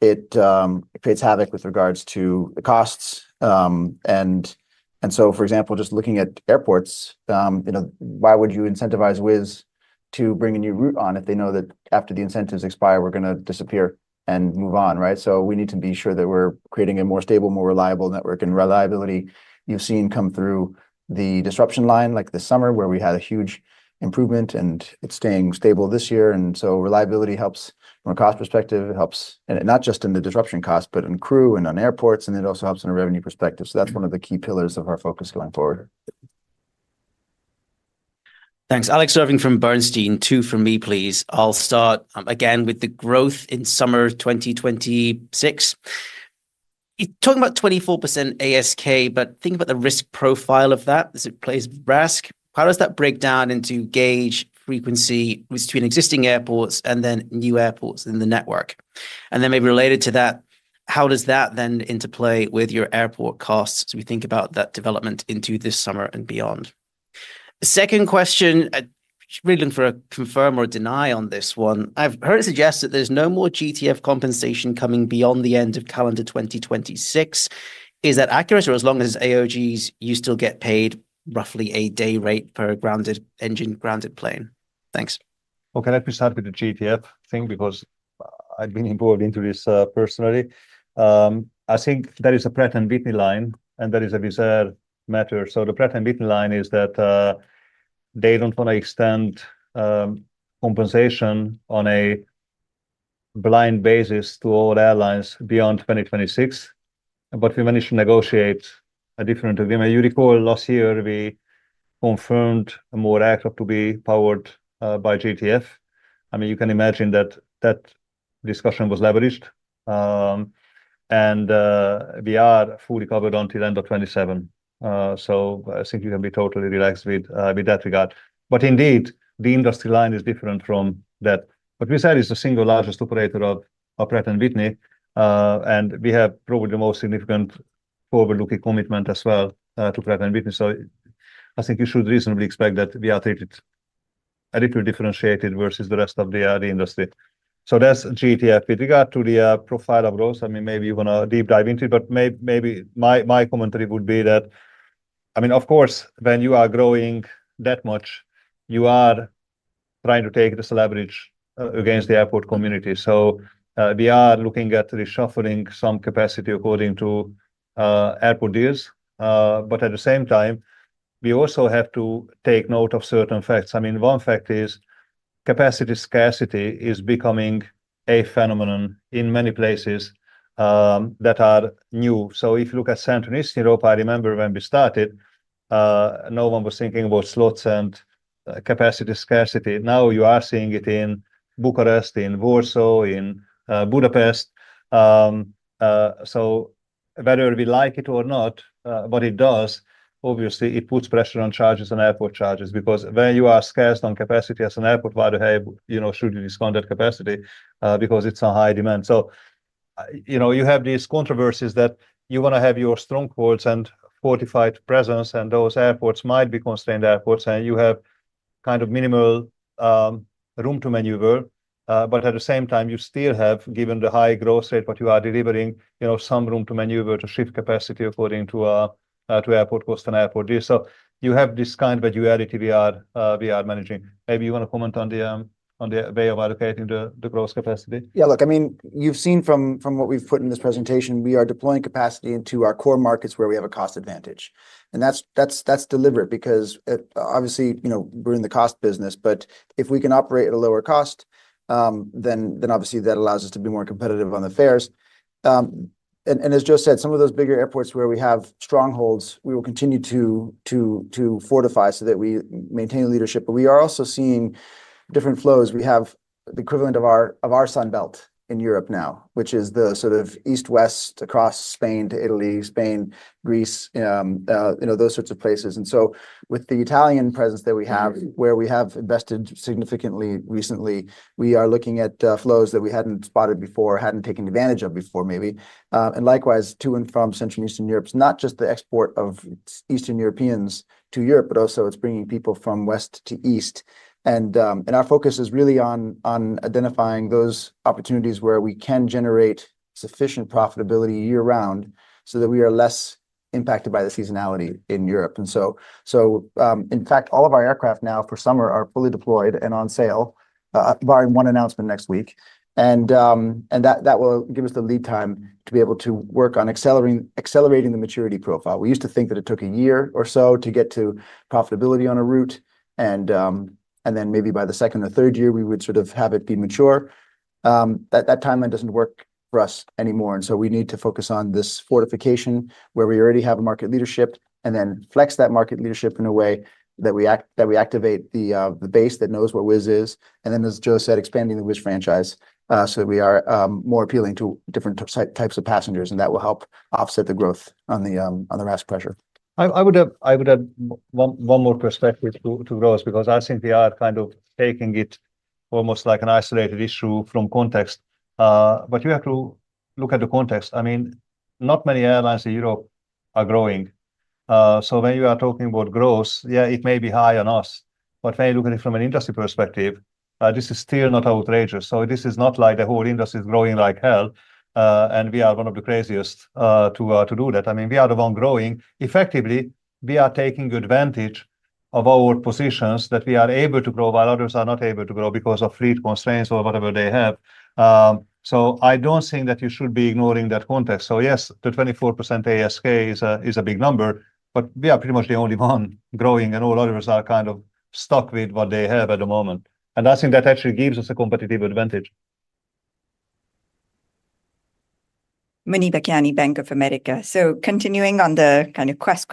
it creates havoc with regards to the costs. And so, for example, just looking at airports, you know, why would you incentivize Wizz to bring a new route on if they know that after the incentives expire, we're gonna disappear and move on, right? So we need to be sure that we're creating a more stable, more reliable network. And reliability, you've seen come through the disruption line, like this summer, where we had a huge improvement, and it's staying stable this year. And so reliability helps from a cost perspective. It helps, not just in the disruption cost, but in crew and on airports, and it also helps in a revenue perspective. So that's one of the key pillars of our focus going forward. Thanks. Alex Irving from Bernstein. Two from me, please. I'll start, again with the growth in summer 2026. You're talking about 24% ASK, but think about the risk profile of that as it plays RASK. How does that break down into gauge frequency between existing airports and then new airports in the network? And then maybe related to that, how does that then interplay with your airport costs as we think about that development into this summer and beyond? Second question, really for a confirm or deny on this one. I've heard it suggested that there's no more GTF compensation coming beyond the end of calendar 2026. Is that accurate, or as long as AOGs, you still get paid roughly a day rate per grounded engine, grounded plane? Thanks. Okay, let me start with the GTF thing, because I've been involved into this, personally. I think there is a Pratt & Whitney line, and there is a Wizz Air matter. So the Pratt & Whitney line is that, they don't want to extend, compensation on a blind basis to all airlines beyond 2026, but we managed to negotiate a different agreement. You recall last year, we confirmed more aircraft to be powered, by GTF. I mean, you can imagine that that discussion was leveraged. And, we are fully covered until end of 2027. So I think you can be totally relaxed with, with that regard. But indeed, the industry line is different from that. But Wizz Air is the single largest operator of Pratt & Whitney, and we have probably the most significant forward-looking commitment as well to Pratt & Whitney. So I think you should reasonably expect that we are treated a little differentiated versus the rest of the industry. So that's GTF. With regard to the profile of growth, I mean, maybe you want to deep dive into it, but maybe my commentary would be that, I mean, of course, when you are growing that much, you are trying to take this leverage against the airport community. So we are looking at reshuffling some capacity according to airport deals. But at the same time, we also have to take note of certain facts. I mean, one fact is capacity scarcity is becoming a phenomenon in many places that are new. So if you look at Central and Eastern Europe, I remember when we started, no one was thinking about slots and capacity scarcity. Now you are seeing it in Bucharest, in Warsaw, in Budapest. So whether we like it or not, what it does, obviously, it puts pressure on charges and airport charges, because when you are scarce on capacity as an airport, why the hell, you know, should you discount that capacity, because it's a high demand? So, you know, you have these controversies that you want to have your strongholds and fortified presence, and those airports might be constrained airports, and you have kind of minimal room to maneuver. But at the same time, you still have, given the high growth rate, what you are delivering, you know, some room to maneuver to shift capacity according to to airport cost and airport deal. So you have this kind of duality we are managing. Maybe you want to comment on the on the way of allocating the growth capacity. Yeah, look, I mean, you've seen from what we've put in this presentation, we are deploying capacity into our core markets where we have a cost advantage. And that's deliberate because obviously, you know, we're in the cost business. But if we can operate at a lower cost, then obviously that allows us to be more competitive on the fares. And as Joe said, some of those bigger airports where we have strongholds, we will continue to fortify so that we maintain leadership. But we are also seeing different flows. We have the equivalent of our sunbelt in Europe now, which is the sort of east-west across Spain to Italy, Spain, Greece, you know, those sorts of places. And so with the Italian presence that we have, where we have invested significantly recently, we are looking at flows that we hadn't spotted before or hadn't taken advantage of before, maybe. And likewise, to and from Central Eastern Europe. It's not just the export of its Eastern Europeans to Europe, but also it's bringing people from west to east. And our focus is really on identifying those opportunities where we can generate sufficient profitability year-round so that we are less impacted by the seasonality in Europe. And so in fact, all of our aircraft now for summer are fully deployed and on sale, barring one announcement next week. And that will give us the lead time to be able to work on accelerating, accelerating the maturity profile. We used to think that it took a year or so to get to profitability on a route, and then maybe by the second or third year, we would sort of have it be mature. That timeline doesn't work for us anymore, and so we need to focus on this fortification, where we already have a market leadership, and then flex that market leadership in a way that we activate the base that knows what Wizz is. And then, as Joe said, expanding the Wizz franchise, so that we are more appealing to different types of passengers, and that will help offset the growth on the RASK pressure. I would add one more perspective to those, because I think we are kind of taking it almost like an isolated issue from context. But you have to look at the context. I mean, not many airlines in Europe are growing. So when you are talking about growth, yeah, it may be high on us, but when you look at it from an industry perspective, this is still not outrageous. So this is not like the whole industry is growing like hell, and we are one of the craziest to do that. I mean, we are the one growing. Effectively, we are taking advantage of our positions that we are able to grow, while others are not able to grow because of fleet constraints or whatever they have. So, I don't think that you should be ignoring that context. So yes, the 24% ASK is a big number, but we are pretty much the only one growing, and all others are kind of stuck with what they have at the moment, and I think that actually gives us a competitive advantage. Muniba Kyani, Bank of America. So continuing on the kind of quest,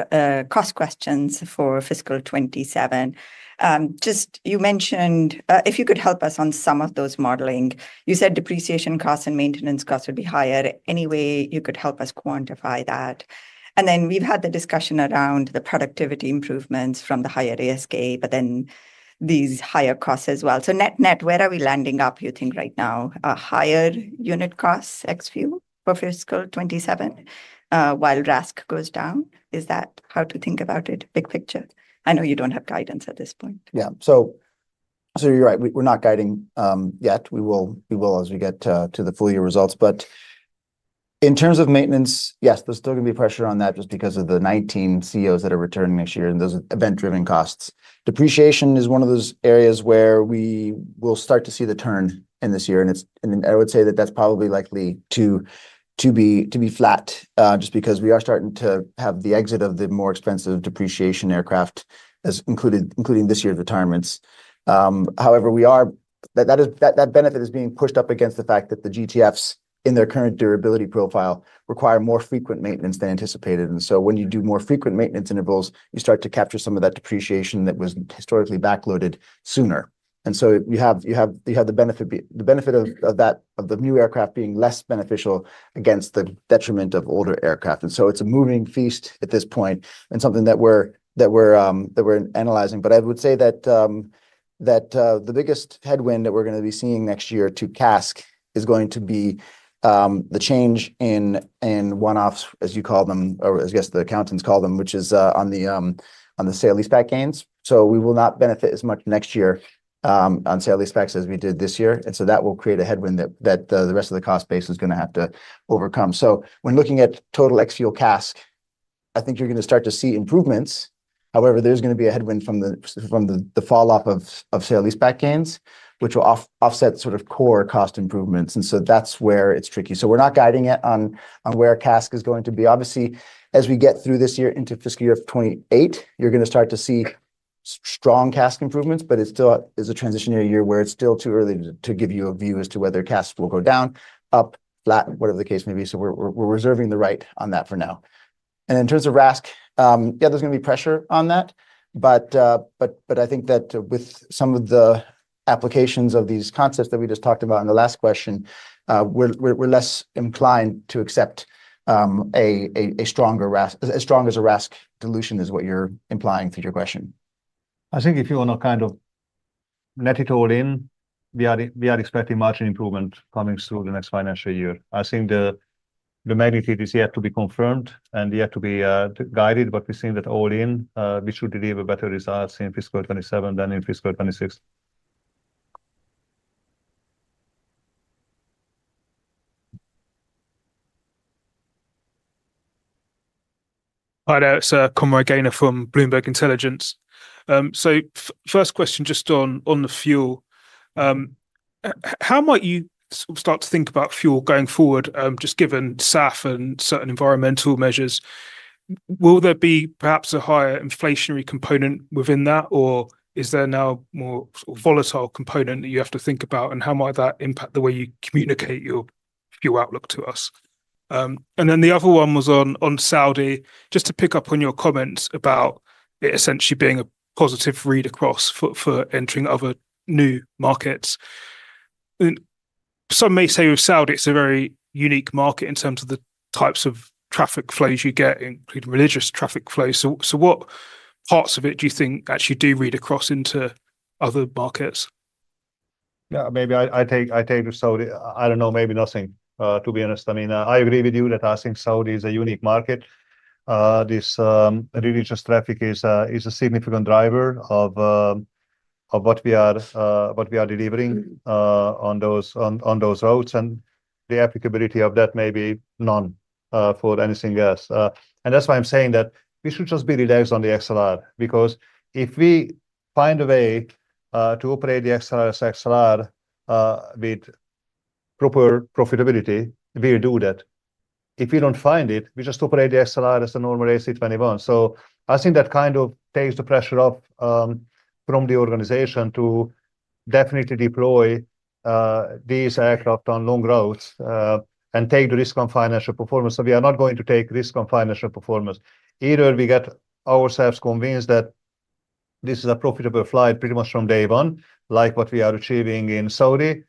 cost questions for fiscal 27. Just you mentioned, if you could help us on some of those modeling. You said depreciation costs and maintenance costs would be higher. Any way you could help us quantify that? And then we've had the discussion around the productivity improvements from the higher ASK, but then these higher costs as well. So net, net, where are we landing up, you think, right now? A higher unit cost ex-fuel for fiscal 27, while RASK goes down. Is that how to think about it, big picture? I know you don't have guidance at this point. Yeah. So, so you're right. We, we're not guiding, yet. We will, we will as we get, to the full year results. But in terms of maintenance, yes, there's still gonna be pressure on that just because of the 19 A320ceos that are returning next year, and those are event-driven costs. Depreciation is one of those areas where we will start to see the turn in this year, and it's, and I would say that that's probably likely to be flat, just because we are starting to have the exit of the more expensive depreciation aircraft as included, including this year's retirements. However, that, that is, that benefit is being pushed up against the fact that the GTFs in their current durability profile require more frequent maintenance than anticipated. When you do more frequent maintenance intervals, you start to capture some of that depreciation that was historically backloaded sooner. You have the benefit of that, the new aircraft being less beneficial against the detriment of older aircraft. It's a moving feast at this point and something that we're analyzing. But I would say that the biggest headwind that we're gonna be seeing next year to CASK is going to be the change in one-offs, as you call them, or as I guess the accountants call them, which is on the sale leaseback gains. So we will not benefit as much next year on sale leasebacks as we did this year, and so that will create a headwind that the rest of the cost base is gonna have to overcome. So when looking at total ex-fuel CASK, I think you're gonna start to see improvements. However, there's gonna be a headwind from the falloff of sale leaseback gains, which will offset sort of core cost improvements, and so that's where it's tricky. So we're not guiding it on where CASK is going to be. Obviously, as we get through this year into fiscal year 2028, you're gonna start to see strong CASK improvements, but it's still a transitional year, where it's still too early to give you a view as to whether CASK will go down, up, flat, whatever the case may be. So we're reserving the right on that for now. And in terms of RASK, yeah, there's gonna be pressure on that, but I think that with some of the applications of these concepts that we just talked about in the last question, we're less inclined to accept a stronger RASK. As strong as a RASK dilution is what you're implying through your question. I think if you want to kind of net it all in, we are expecting margin improvement coming through the next financial year. I think the magnitude is yet to be confirmed and yet to be guided, but we're seeing that all in, we should deliver better results in fiscal 2027 than in fiscal 2026. Hi there, sir. Conroy Gaynor from Bloomberg Intelligence. So first question, just on, on the fuel. How might you start to think about fuel going forward, just given SAF and certain environmental measures? Will there be perhaps a higher inflationary component within that, or is there now more volatile component that you have to think about? And how might that impact the way you communicate your, your outlook to us? And then the other one was on, on Saudi. Just to pick up on your comments about it essentially being a positive read across for, for entering other new markets. And some may say with Saudi, it's a very unique market in terms of the types of traffic flows you get, including religious traffic flow. So, so what parts of it do you think actually do read across into other markets? Yeah, maybe I take the Saudi. I don't know, maybe nothing, to be honest. I mean, I agree with you that I think Saudi is a unique market. This religious traffic is a significant driver of what we are delivering on those routes, and the applicability of that may be none for anything else. And that's why I'm saying that we should just be relaxed on the XLR, because if we find a way to operate the XLR as XLR with proper profitability, we'll do that. If we don't find it, we just operate the XLR as a normal A321. So I think that kind of takes the pressure off, from the organization to definitely deploy, these aircraft on long routes, and take the risk on financial performance. So we are not going to take risk on financial performance. Either we get ourselves convinced that this is a profitable flight pretty much from day one, like what we are achieving in Saudi.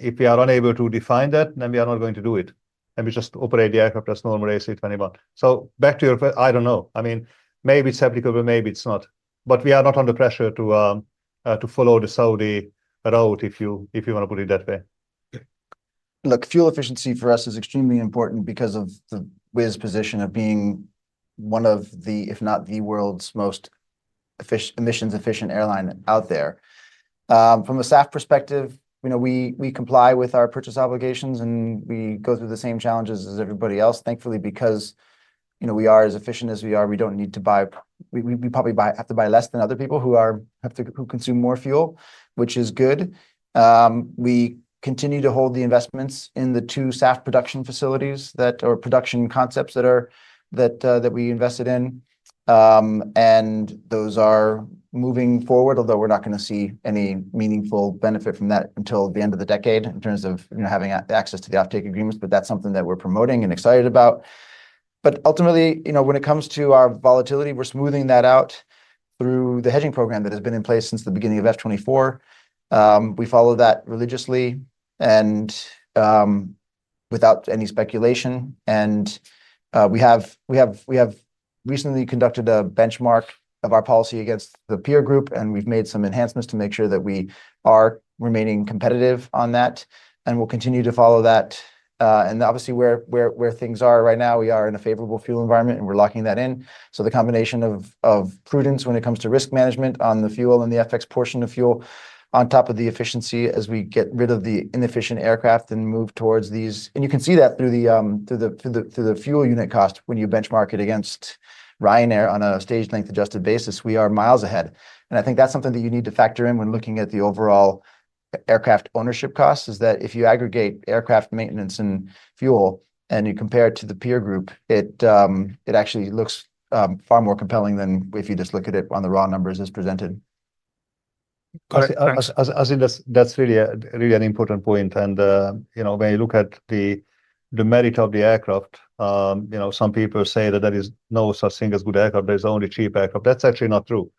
If we are unable to define that, then we are not going to do it, and we just operate the aircraft as normal A321. So back to your first. I don't know. I mean, maybe it's applicable, maybe it's not, but we are not under pressure to, to follow the Saudi route, if you, if you want to put it that way. Look, fuel efficiency for us is extremely important because of the Wizz position of being one of the, if not the world's most emissions-efficient airline out there. From a SAF perspective, you know, we comply with our purchase obligations, and we go through the same challenges as everybody else. Thankfully, because, you know, we are as efficient as we are, we don't need to buy. We probably have to buy less than other people who have to consume more fuel, which is good. We continue to hold the investments in the two SAF production facilities or production concepts that we invested in. And those are moving forward, although we're not going to see any meaningful benefit from that until the end of the decade in terms of, you know, having access to the offtake agreements. But that's something that we're promoting and excited about. But ultimately, you know, when it comes to our volatility, we're smoothing that out through the hedging program that has been in place since the beginning of FY 2024. We follow that religiously and, without any speculation, and we have recently conducted a benchmark of our policy against the peer group, and we've made some enhancements to make sure that we are remaining competitive on that, and we'll continue to follow that. And obviously, where things are right now, we are in a favorable fuel environment, and we're locking that in. So the combination of prudence when it comes to risk management on the fuel and the FX portion of fuel, on top of the efficiency as we get rid of the inefficient aircraft and move towards these. And you can see that through the fuel unit cost when you benchmark it against Ryanair on a stage length adjusted basis, we are miles ahead. And I think that's something that you need to factor in when looking at the overall aircraft ownership costs, is that if you aggregate aircraft maintenance and fuel and you compare it to the peer group, it actually looks far more compelling than if you just look at it on the raw numbers as presented. As in, that's really an important point. And, you know, when you look at the merit of the aircraft, you know, some people say that there is no such thing as good aircraft, there's only cheap aircraft. That's actually not true.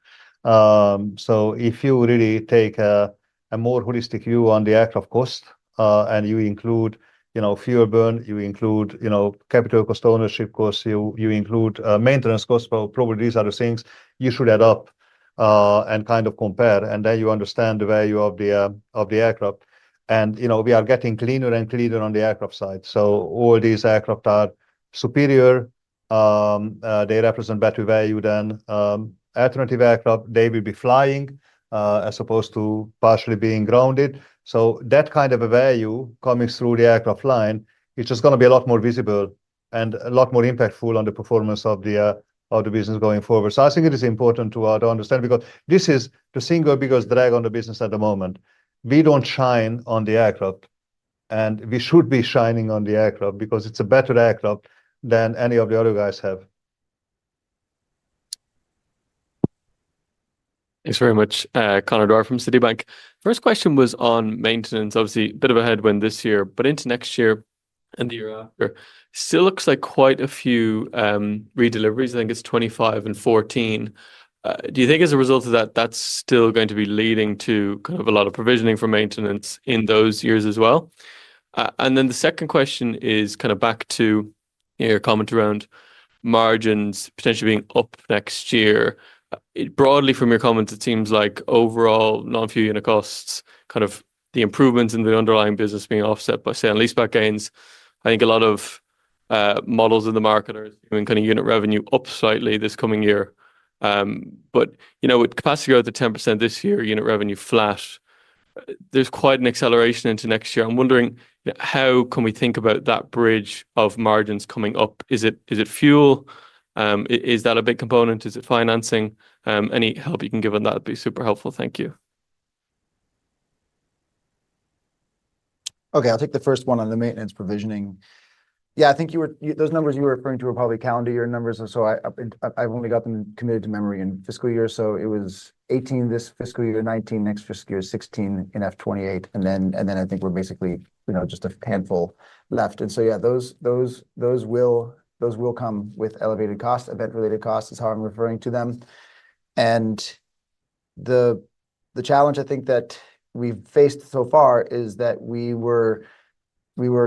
So if you really take a more holistic view on the aircraft cost, and you include, you know, fuel burn, you include, you know, capital cost, ownership cost, you include maintenance cost, probably these are the things you should add up, and kind of compare, and then you understand the value of the aircraft. And, you know, we are getting cleaner and cleaner on the aircraft side. So all these aircraft are superior. They represent better value than alternative aircraft. They will be flying, as opposed to partially being grounded. So that kind of a value coming through the aircraft line, which is going to be a lot more visible and a lot more impactful on the performance of the business going forward. So I think it is important to understand, because this is the single biggest drag on the business at the moment. We don't shine on the aircraft, and we should be shining on the aircraft because it's a better aircraft than any of the other guys have. Thanks very much, Conor Dwyer from Citibank. First question was on maintenance. Obviously, a bit of a headwind this year, but into next year and the year after, still looks like quite a few redeliveries. I think it's 25 and 14. Do you think as a result of that, that's still going to be leading to kind of a lot of provisioning for maintenance in those years as well? And then the second question is kind of back to your comment around margins potentially being up next year. Broadly, from your comments, it seems like overall non-fuel unit costs, kind of the improvements in the underlying business being offset by sale and leaseback gains. I think a lot of models in the market are doing kind of unit revenue up slightly this coming year. But, you know, with capacity growth at 10% this year, unit revenue flat, there's quite an acceleration into next year. I'm wondering, how can we think about that bridge of margins coming up? Is it, is it fuel? Is that a big component? Is it financing? Any help you can give on that would be super helpful. Thank you.. Okay, I'll take the first one on the maintenance provisioning. Yeah, I think you were, those numbers you were referring to were probably calendar year numbers, and so I've only got them committed to memory in fiscal year. So it was 18 this fiscal year, 19 next fiscal year, 16 in FY 2028, and then I think we're basically, you know, just a handful left. And so, yeah, those will come with elevated costs. Event-related costs is how I'm referring to them. And the challenge I think that we've faced so far is that we were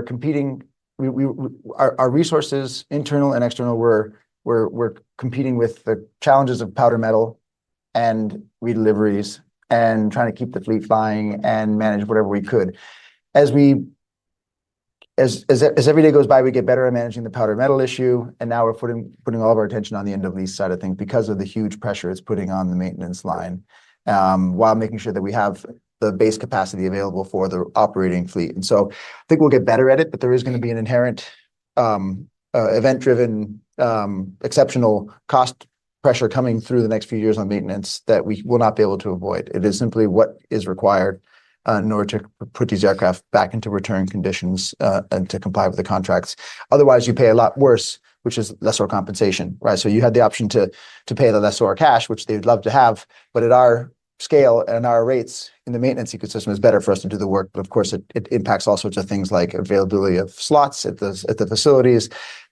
competing. Our resources, internal and external, were competing with the challenges of powder metal and redeliveries and trying to keep the fleet flying and manage whatever we could. As every day goes by, we get better at managing the powder metal issue, and now we're putting all of our attention on the end of lease side of things because of the huge pressure it's putting on the maintenance line, while making sure that we have the base capacity available for the operating fleet. So I think we'll get better at it, but there is gonna be an inherent event-driven exceptional cost pressure coming through the next few years on maintenance that we will not be able to avoid. It is simply what is required in order to put these aircraft back into return conditions and to comply with the contracts. Otherwise, you pay a lot worse, which is lesser compensation, right? So you had the option to pay the lessor or cash, which they'd love to have, but at our scale and our rates in the maintenance ecosystem, it's better for us to do the work. But of course, it impacts all sorts of things like availability of slots at the facilities.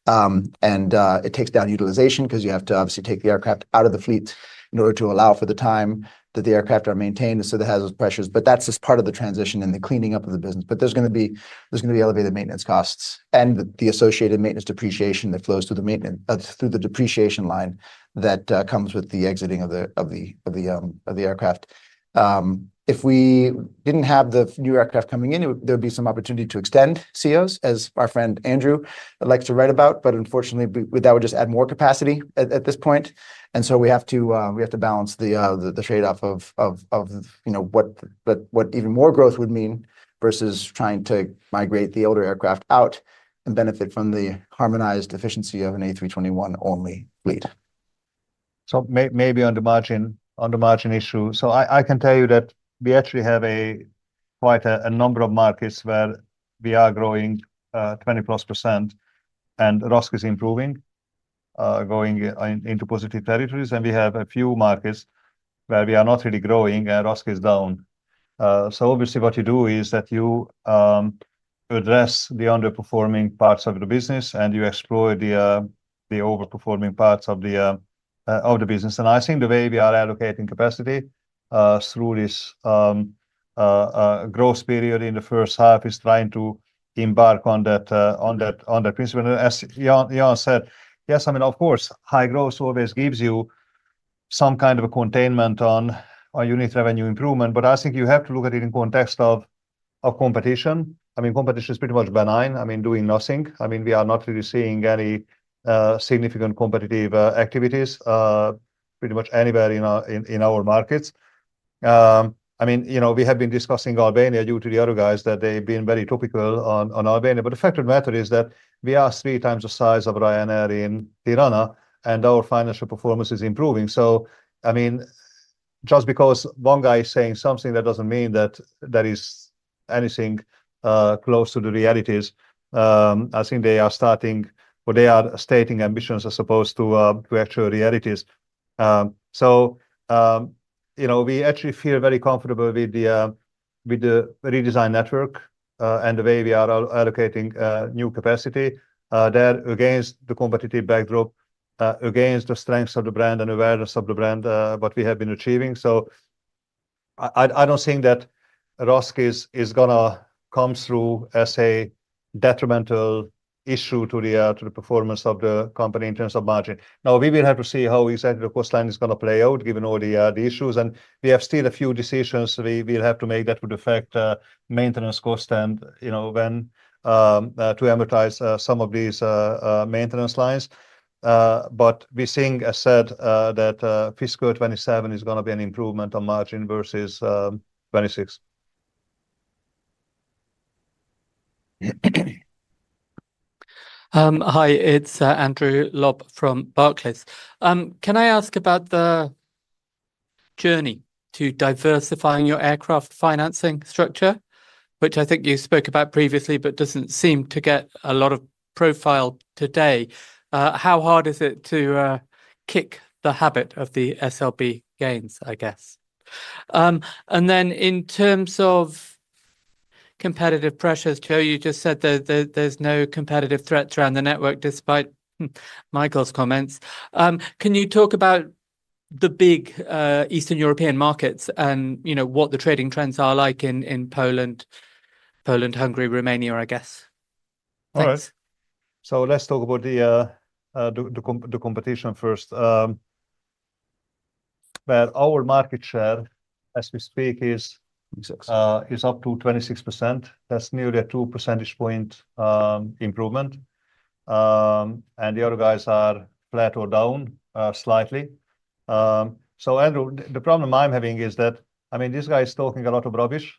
It takes down utilization 'cause you have to obviously take the aircraft out of the fleet in order to allow for the time that the aircraft are maintained, and so that has those pressures. But that's just part of the transition and the cleaning up of the business. But there's gonna be elevated maintenance costs and the associated maintenance depreciation that flows through the maintenance, through the depreciation line that comes with the exiting of the aircraft. If we didn't have the new aircraft coming in, there'd be some opportunity to extend AOCs, as our friend Andrew likes to write about, but unfortunately, that would just add more capacity at this point. And so we have to, we have to balance the trade-off of, of, you know, what. but what even more growth would mean versus trying to migrate the older aircraft out and benefit from the harmonized efficiency of an A321-only fleet. So maybe on the margin, on the margin issue. So I can tell you that we actually have quite a number of markets where we are growing 20%+, and RASK is improving, going into positive territories. And we have a few markets where we are not really growing, and RASK is down. So obviously, what you do is that you address the underperforming parts of the business, and you explore the overperforming parts of the business. And I think the way we are allocating capacity through this growth period in the first half is trying to embark on that principle. As Ian said, yes, I mean, of course, high growth always gives you some kind of a containment on unit revenue improvement, but I think you have to look at it in context of competition. I mean, competition is pretty much benign. I mean, doing nothing. I mean, we are not really seeing any significant competitive activities pretty much anywhere in our markets. I mean, you know, we have been discussing Albania due to the other guys, that they've been very topical on Albania. But the fact of the matter is that we are three times the size of Ryanair in Tirana, and our financial performance is improving. So I mean, just because one guy is saying something, that doesn't mean that there is anything close to the realities. I think they are starting, or they are stating ambitions as opposed to actual realities. So, you know, we actually feel very comfortable with the redesigned network, and the way we are allocating new capacity there against the competitive backdrop, against the strengths of the brand and awareness of the brand, what we have been achieving. So I don't think that RASK is gonna come through as a detrimental issue to the performance of the company in terms of margin. Now, we will have to see how exactly the cost line is gonna play out, given all the issues, and we have still a few decisions we will have to make that would affect maintenance cost and, you know, when to amortize some of these maintenance lines. But we're seeing, I said, that fiscal 27 is gonna be an improvement on margin versus 26. Hi, it'se. Can I ask about the journey to diversifying your aircraft financing structure, which I think you spoke about previously, but doesn't seem to get a lot of profile today? How hard is it to kick the habit of the SLB gains, I guess? And then in terms of competitive pressures, Joe, you just said that there, there's no competitive threats around the network, despite Michael's comments. Can you talk about the big Eastern European markets and, you know, what the trading trends are like in Poland, Hungary, Romania, I guess? Thanks. All right. So let's talk about the competition first. Well, our market share, as we speak, is up to 26%. That's nearly a 2 percentage point improvement. And the other guys are flat or down slightly. So Andrew, the problem I'm having is that, I mean, this guy is talking a lot of rubbish,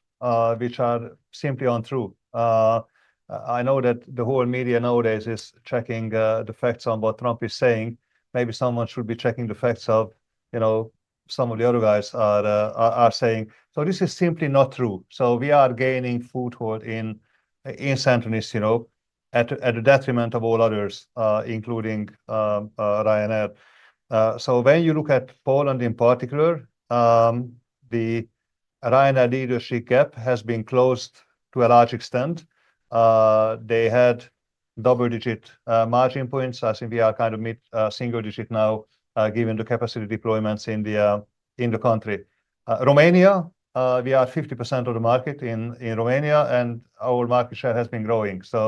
which are simply untrue. I know that the whole media nowadays is checking the facts on what Trump is saying. Maybe someone should be checking the facts of, you know, some of the other guys are saying. So this is simply not true. So we are gaining foothold in Central and Eastern Europe, you know, at the detriment of all others, including Ryanair. So when you look at Poland in particular, the Ryanair leadership gap has been closed to a large extent. They had double-digit margin points. I think we are kind of mid single digit now, given the capacity deployments in the country. Romania, we are 50% of the market in Romania, and our market share has been growing. So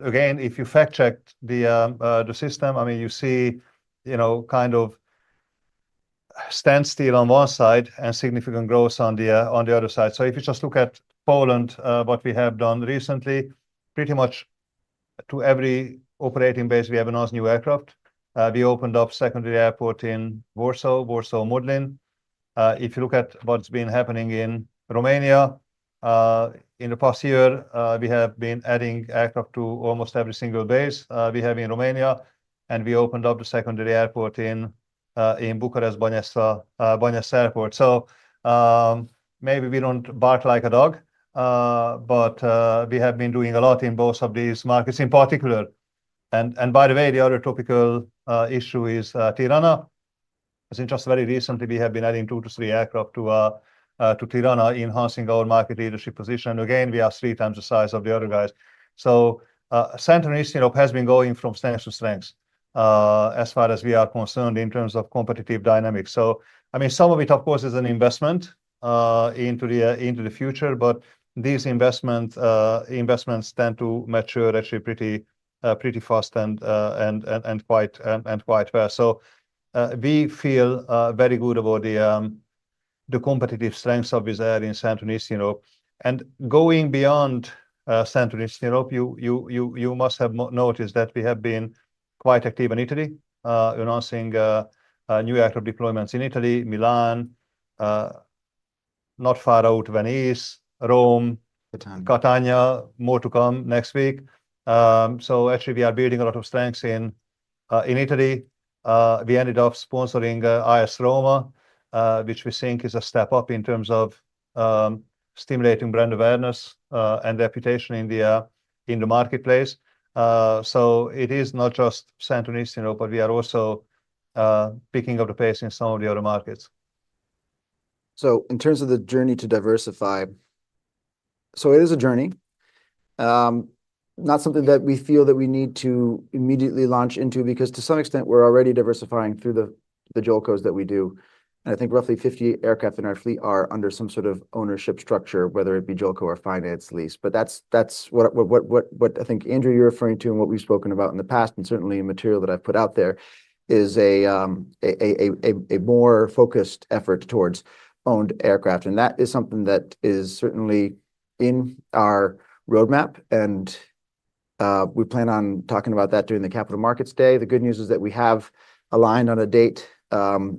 again, if you fact-checked the system, I mean, you know, kind of standstill on one side and significant growth on the other side. So if you just look at Poland, what we have done recently, pretty much to every operating base, we have a nice new aircraft. We opened up secondary airport in Warsaw, Warsaw-Modlin. If you look at what's been happening in Romania, in the past year, we have been adding aircraft to almost every single base we have in Romania, and we opened up the secondary airport in Bucharest, Băneasa, Băneasa Airport. So, maybe we don't bark like a dog, but we have been doing a lot in both of these markets in particular. And by the way, the other topical issue is Tirana, as in just very recently, we have been adding 2-3 aircraft to Tirana, enhancing our market leadership position. Again, we are 3 times the size of the other guys. So, Central and Eastern Europe has been going from strength to strength, as far as we are concerned, in terms of competitive dynamics. So, I mean, some of it, of course, is an investment into the future, but these investments tend to mature actually pretty fast and quite well. So, we feel very good about the competitive strength of Wizz Air in Central and Eastern Europe. And going beyond Central and Eastern Europe, you must have noticed that we have been quite active in Italy, announcing new aircraft deployments in Italy, Milan, not far out, Venice, Rome- Catania. Catania. More to come next week. Actually, we are building a lot of strengths in Italy. We ended up sponsoring AS Roma, which we think is a step up in terms of stimulating brand awareness and reputation in the marketplace. So it is not just Central and Eastern Europe, but we are also picking up the pace in some of the other markets. So in terms of the journey to diversify, so it is a journey. Not something that we feel that we need to immediately launch into, because to some extent, we're already diversifying through the JOLCOs that we do. And I think roughly 50 aircraft in our fleet are under some sort of ownership structure, whether it be JOLCO or finance lease. But that's what I think, Andrew, you're referring to and what we've spoken about in the past, and certainly in material that I've put out there, is a more focused effort towards owned aircraft. And that is something that is certainly in our roadmap, and we plan on talking about that during the Capital Markets Day. The good news is that we have aligned on a date,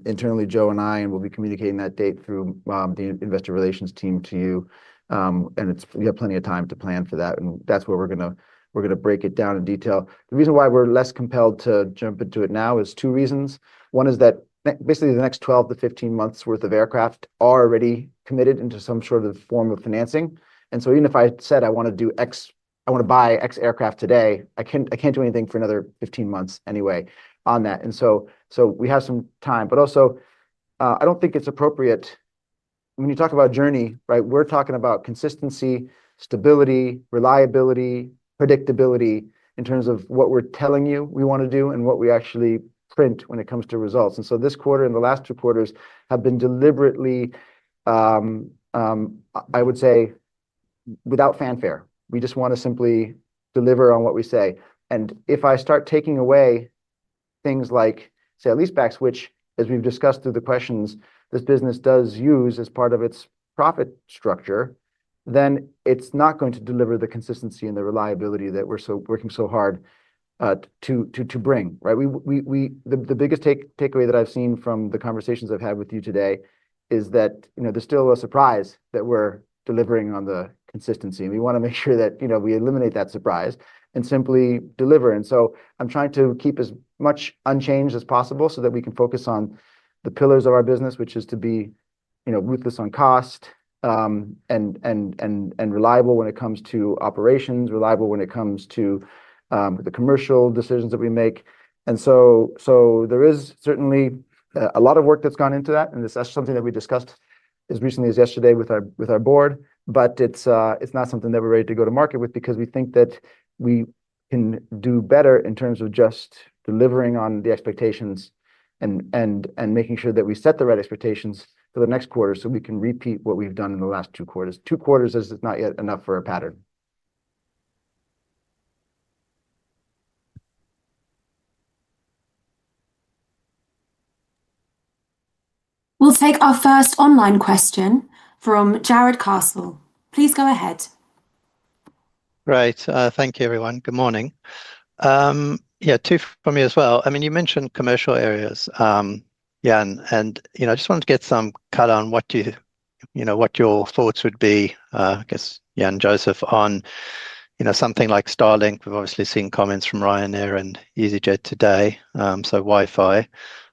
internally, Joe and I, and we'll be communicating that date through the investor relations team to you. And it's-- we have plenty of time to plan for that, and that's where we're gonna, we're gonna break it down in detail. The reason why we're less compelled to jump into it now is two reasons. One is that basically, the next 12-15 months' worth of aircraft are already committed into some sort of form of financing. And so even if I said, I wanna do X-- I wanna buy X aircraft today, I can't, I can't do anything for another 15 months anyway on that. And so, so we have some time, but also, I don't think it's appropriate when you talk about journey, right? We're talking about consistency, stability, reliability, predictability, in terms of what we're telling you we wanna do and what we actually print when it comes to results. And so this quarter and the last two quarters have been deliberately, I would say, without fanfare. We just wanna simply deliver on what we say. And if I start taking away things like, say, leasebacks, which, as we've discussed through the questions, this business does use as part of its profit structure, then it's not going to deliver the consistency and the reliability that we're so working so hard to bring, right? The biggest takeaway that I've seen from the conversations I've had with you today is that, you know, there's still a surprise that we're delivering on the consistency, and we wanna make sure that, you know, we eliminate that surprise and simply deliver. So I'm trying to keep as much unchanged as possible so that we can focus on the pillars of our business, which is to be, you know, ruthless on cost, and reliable when it comes to operations, reliable when it comes to the commercial decisions that we make. So there is certainly a lot of work that's gone into that, and that's something that we discussed as recently as yesterday with our board. But it's not something that we're ready to go to market with because we think that we can do better in terms of just delivering on the expectations and making sure that we set the right expectations for the next quarter, so we can repeat what we've done in the last two quarters. Two quarters is not yet enough for a pattern. We'll take our first online question from Jared Castle. Please go ahead.. Great. Thank you everyone. Good morning. Yeah, two for me as well. I mean, you mentioned commercial areas, yeah, and, and, you know, I just wanted to get some color on what you, you know, what your thoughts would be, I guess, yeah, and József on, you know, something like Starlink. We've obviously seen comments from Ryanair and easyJet today, so Wi-Fi.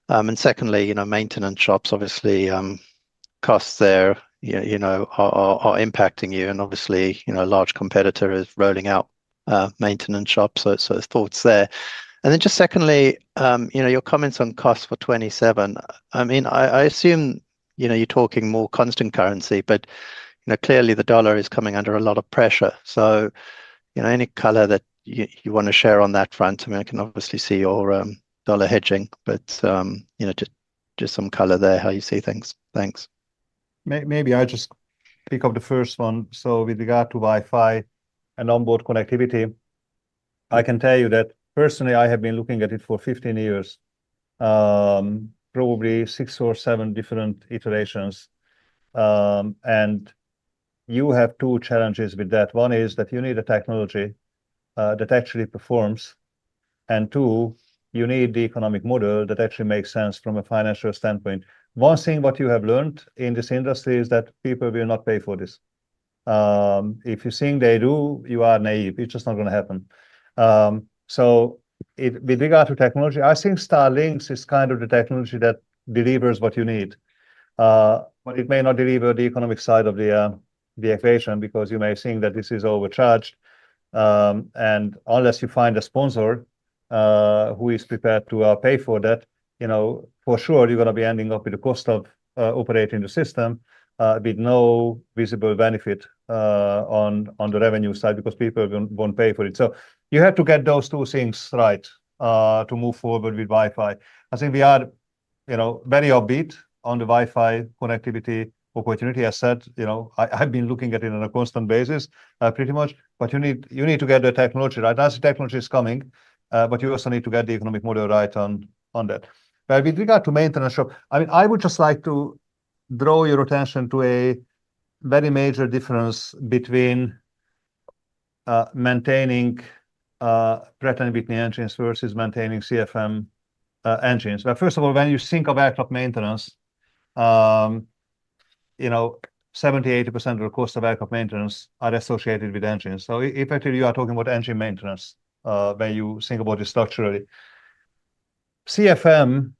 And secondly, you know, maintenance shops, obviously, costs there, you, you know, are, are, are impacting you, and obviously, you know, a large competitor is rolling out, maintenance shops, so, so thoughts there. And then just secondly, you know, your comments on costs for 2027. I mean, I, I assume, you know, you're talking more constant currency, but, you know, clearly the US dollar is coming under a lot of pressure. So, you know, any color that you want to share on that front? I mean, I can obviously see your dollar hedging, but you know, just some color there, how you see things. Thanks. Maybe I just pick up the first one. So with regard to Wi-Fi and onboard connectivity, I can tell you that personally, I have been looking at it for 15 years, probably six or seven different iterations. And you have two challenges with that. One is that you need a technology that actually performs, and two, you need the economic model that actually makes sense from a financial standpoint. One thing, what you have learned in this industry is that people will not pay for this. If you're seeing they do, you are naive. It's just not gonna happen. So with regard to technology, I think Starlink's is kind of the technology that delivers what you need. But it may not deliver the economic side of the equation because you may think that this is overcharged. And unless you find a sponsor, who is prepared to, pay for that, you know, for sure, you're gonna be ending up with the cost of, operating the system, with no visible benefit, on the revenue side because people won't pay for it. So you have to get those two things right, to move forward with Wi-Fi. I think we are, you know, very upbeat on the Wi-Fi connectivity opportunity. I said, you know, I, I've been looking at it on a constant basis, pretty much. But you need to get the technology right. As the technology is coming, but you also need to get the economic model right on that. But with regard to maintenance shop, I mean, I would just like to draw your attention to a very major difference between maintaining Pratt & Whitney engines versus maintaining CFM engines. But first of all, when you think of aircraft maintenance, you know, 70%-80% of the cost of aircraft maintenance are associated with engines. So effectively, you are talking about engine maintenance when you think about it structurally. CFM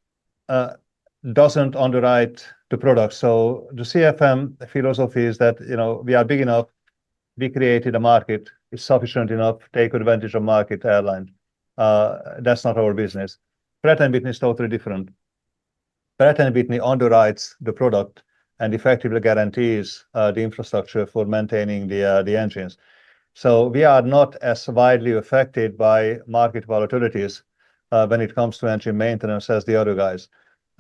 doesn't underwrite the product. So the CFM philosophy is that, you know, we are big enough, we created a market. It's sufficient enough, take advantage of market airline. That's not our business. Pratt & Whitney is totally different. Pratt & Whitney underwrites the product and effectively guarantees the infrastructure for maintaining the engines. So we are not as widely affected by market volatilities, when it comes to engine maintenance as the other guys.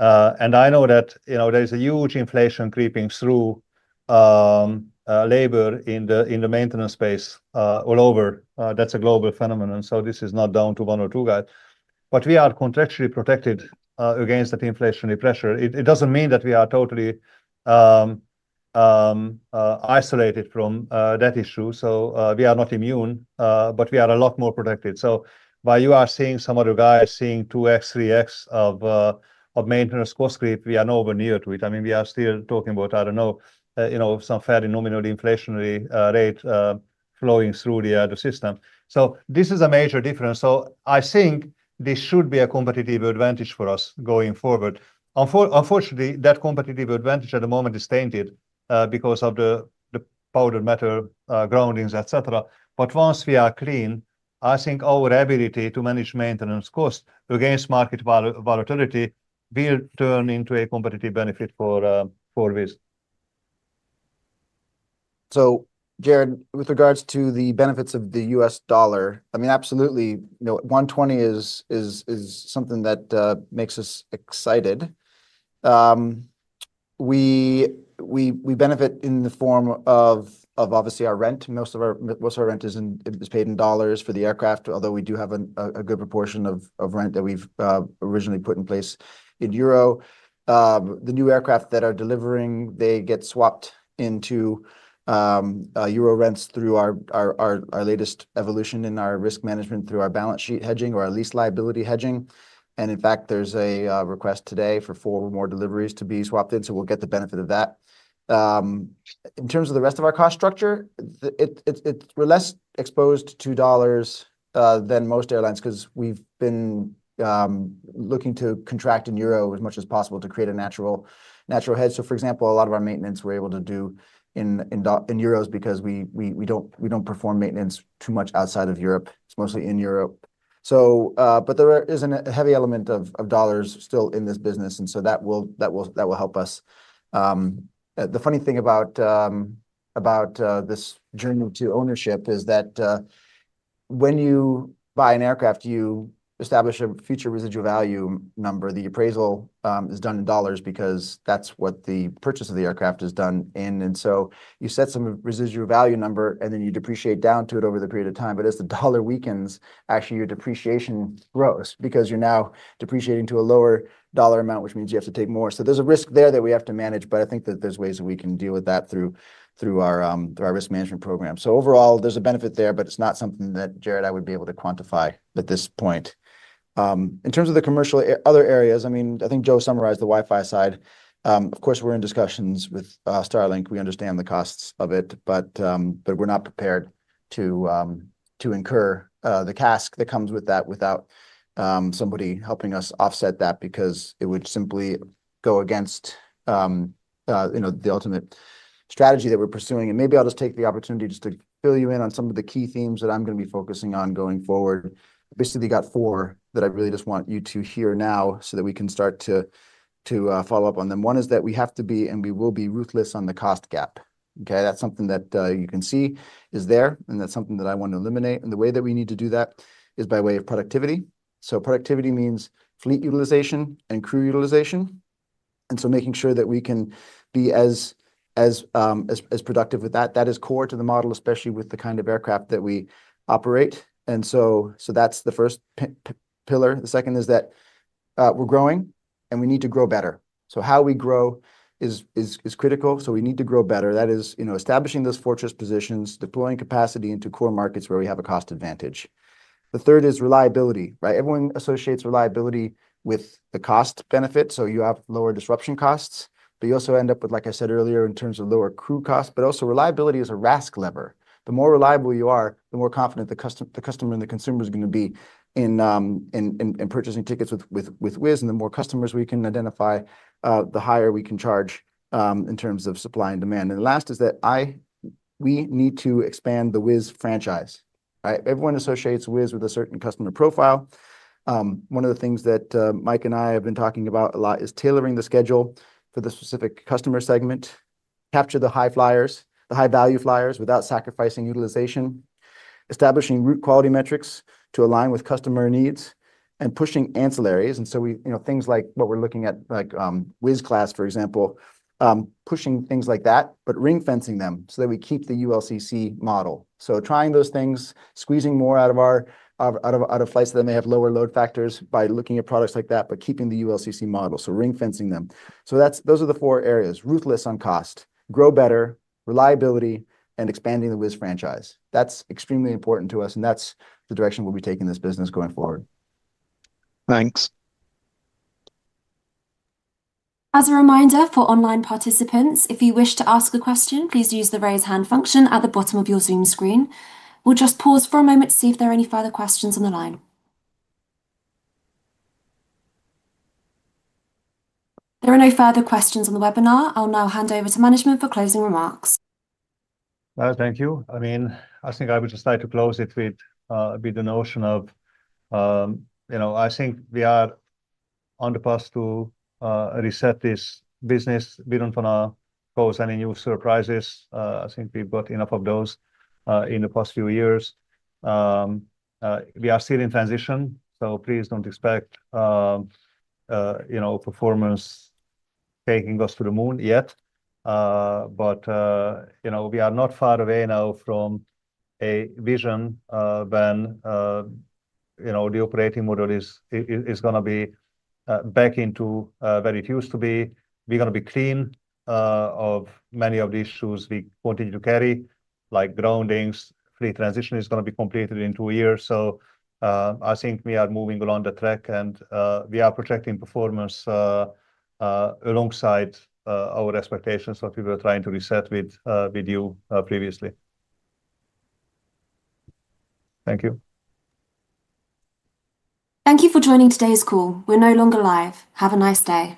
And I know that, you know, there is a huge inflation creeping through, labor in the maintenance space, all over. That's a global phenomenon. So this is not down to one or two guys, but we are contractually protected, against the inflationary pressure. It doesn't mean that we are totally isolated from that issue. So, we are not immune, but we are a lot more protected. So while you are seeing some other guys seeing 2x, 3x of maintenance cost creep, we are nowhere near to it. I mean, we are still talking about, I don't know, you know, some fairly nominal inflationary rate flowing through the other system. So this is a major difference. So I think this should be a competitive advantage for us going forward. Unfortunately, that competitive advantage at the moment is tainted because of the powder metal groundings, etc. But once we are clean, I think our ability to manage maintenance costs against market volatility will turn into a competitive benefit for Wizz. So, Jared, with regards to the benefits of the US dollar, I mean, absolutely, you know, 1.20 is something that makes us excited. We benefit in the form of obviously our rent. Most of our rent is paid in dollars for the aircraft, although we do have a good proportion of rent that we've originally put in place in euro. The new aircraft that are delivering, they get swapped into euro rents through our latest evolution in our risk management, through our balance sheet hedging or our lease liability hedging. And in fact, there's a request today for 4 more deliveries to be swapped in, so we'll get the benefit of that. In terms of the rest of our cost structure, it's we're less exposed to dollars than most airlines 'cause we've been looking to contract in euro as much as possible to create a natural hedge. So for example, a lot of our maintenance we're able to do in euros because we don't perform maintenance too much outside of Europe. It's mostly in Europe. So, but there is a heavy element of dollars still in this business, and so that will help us. The funny thing about this journey to ownership is that when you buy an aircraft, you establish a future residual value number. The appraisal is done in dollars because that's what the purchase of the aircraft is done in. And so you set some residual value number, and then you depreciate down to it over the period of time. But as the US dollar weakens, actually your depreciation grows because you're now depreciating to a lower US dollar amount, which means you have to take more. So there's a risk there that we have to manage, but I think that there's ways we can deal with that through our risk management program. So overall, there's a benefit there, but it's not something that, Jared, I would be able to quantify at this point. In terms of the commercial other areas, I mean, I think Joe summarized the Wi-Fi side. Of course, we're in discussions with Starlink. We understand the costs of it, but but we're not prepared-. to incur the CASK that comes with that without somebody helping us offset that, because it would simply go against, you know, the ultimate strategy that we're pursuing. And maybe I'll just take the opportunity just to fill you in on some of the key themes that I'm gonna be focusing on going forward. Basically, got four that I really just want you to hear now so that we can start to follow up on them. One is that we have to be, and we will be ruthless on the cost gap, okay? That's something that you can see is there, and that's something that I want to eliminate, and the way that we need to do that is by way of productivity. So productivity means fleet utilization and crew utilization, and so making sure that we can be as productive with that. That is core to the model, especially with the kind of aircraft that we operate, and so that's the first pillar. The second is that we're growing, and we need to grow better. So how we grow is critical, so we need to grow better. That is, you know, establishing those fortress positions, deploying capacity into core markets where we have a cost advantage. The third is reliability, right? Everyone associates reliability with the cost benefit, so you have lower disruption costs, but you also end up with, like I said earlier, in terms of lower crew costs. But also reliability is a RASK lever. The more reliable you are, the more confident the customer and the consumer is gonna be in purchasing tickets with Wizz. And the more customers we can identify, the higher we can charge in terms of supply and demand. And the last is that we need to expand the Wizz franchise, right? Everyone associates Wizz with a certain customer profile. One of the things that Mike and I have been talking about a lot is tailoring the schedule for the specific customer segment, capture the high flyers, the high-value flyers, without sacrificing utilization. Establishing route quality metrics to align with customer needs and pushing ancillaries. And so we, you know, things like what we're looking at, like, Wizz Class, for example. Pushing things like that, but ring-fencing them so that we keep the ULCC model. So trying those things, squeezing more out of our flights that may have lower load factors by looking at products like that, but keeping the ULCC model, so ring-fencing them. So that's those are the four areas: ruthless on cost, grow better, reliability, and expanding the Wizz franchise. That's extremely important to us, and that's the direction we'll be taking this business going forward. Thanks. As a reminder for online participants, if you wish to ask a question, please use the Raise Hand function at the bottom of your Zoom screen. We'll just pause for a moment to see if there are any further questions on the line. There are no further questions on the webinar. I'll now hand over to management for closing remarks. Well, thank you. I mean, I think I would just like to close it with, with the notion of, you know, I think we are on the path to, reset this business. We don't wanna cause any new surprises. I think we've got enough of those, in the past few years. We are still in transition, so please don't expect, you know, performance taking us to the moon yet. But, you know, we are not far away now from a vision, when, you know, the operating model is, is, is gonna be, back into, where it used to be. We're gonna be clean, of many of these issues we continue to carry, like groundings. Fleet transition is gonna be completed in two years. So, I think we are moving along the track and we are projecting performance alongside our expectations, what we were trying to reset with you previously. Thank you. Thank you for joining today's call. We're no longer live. Have a nice day.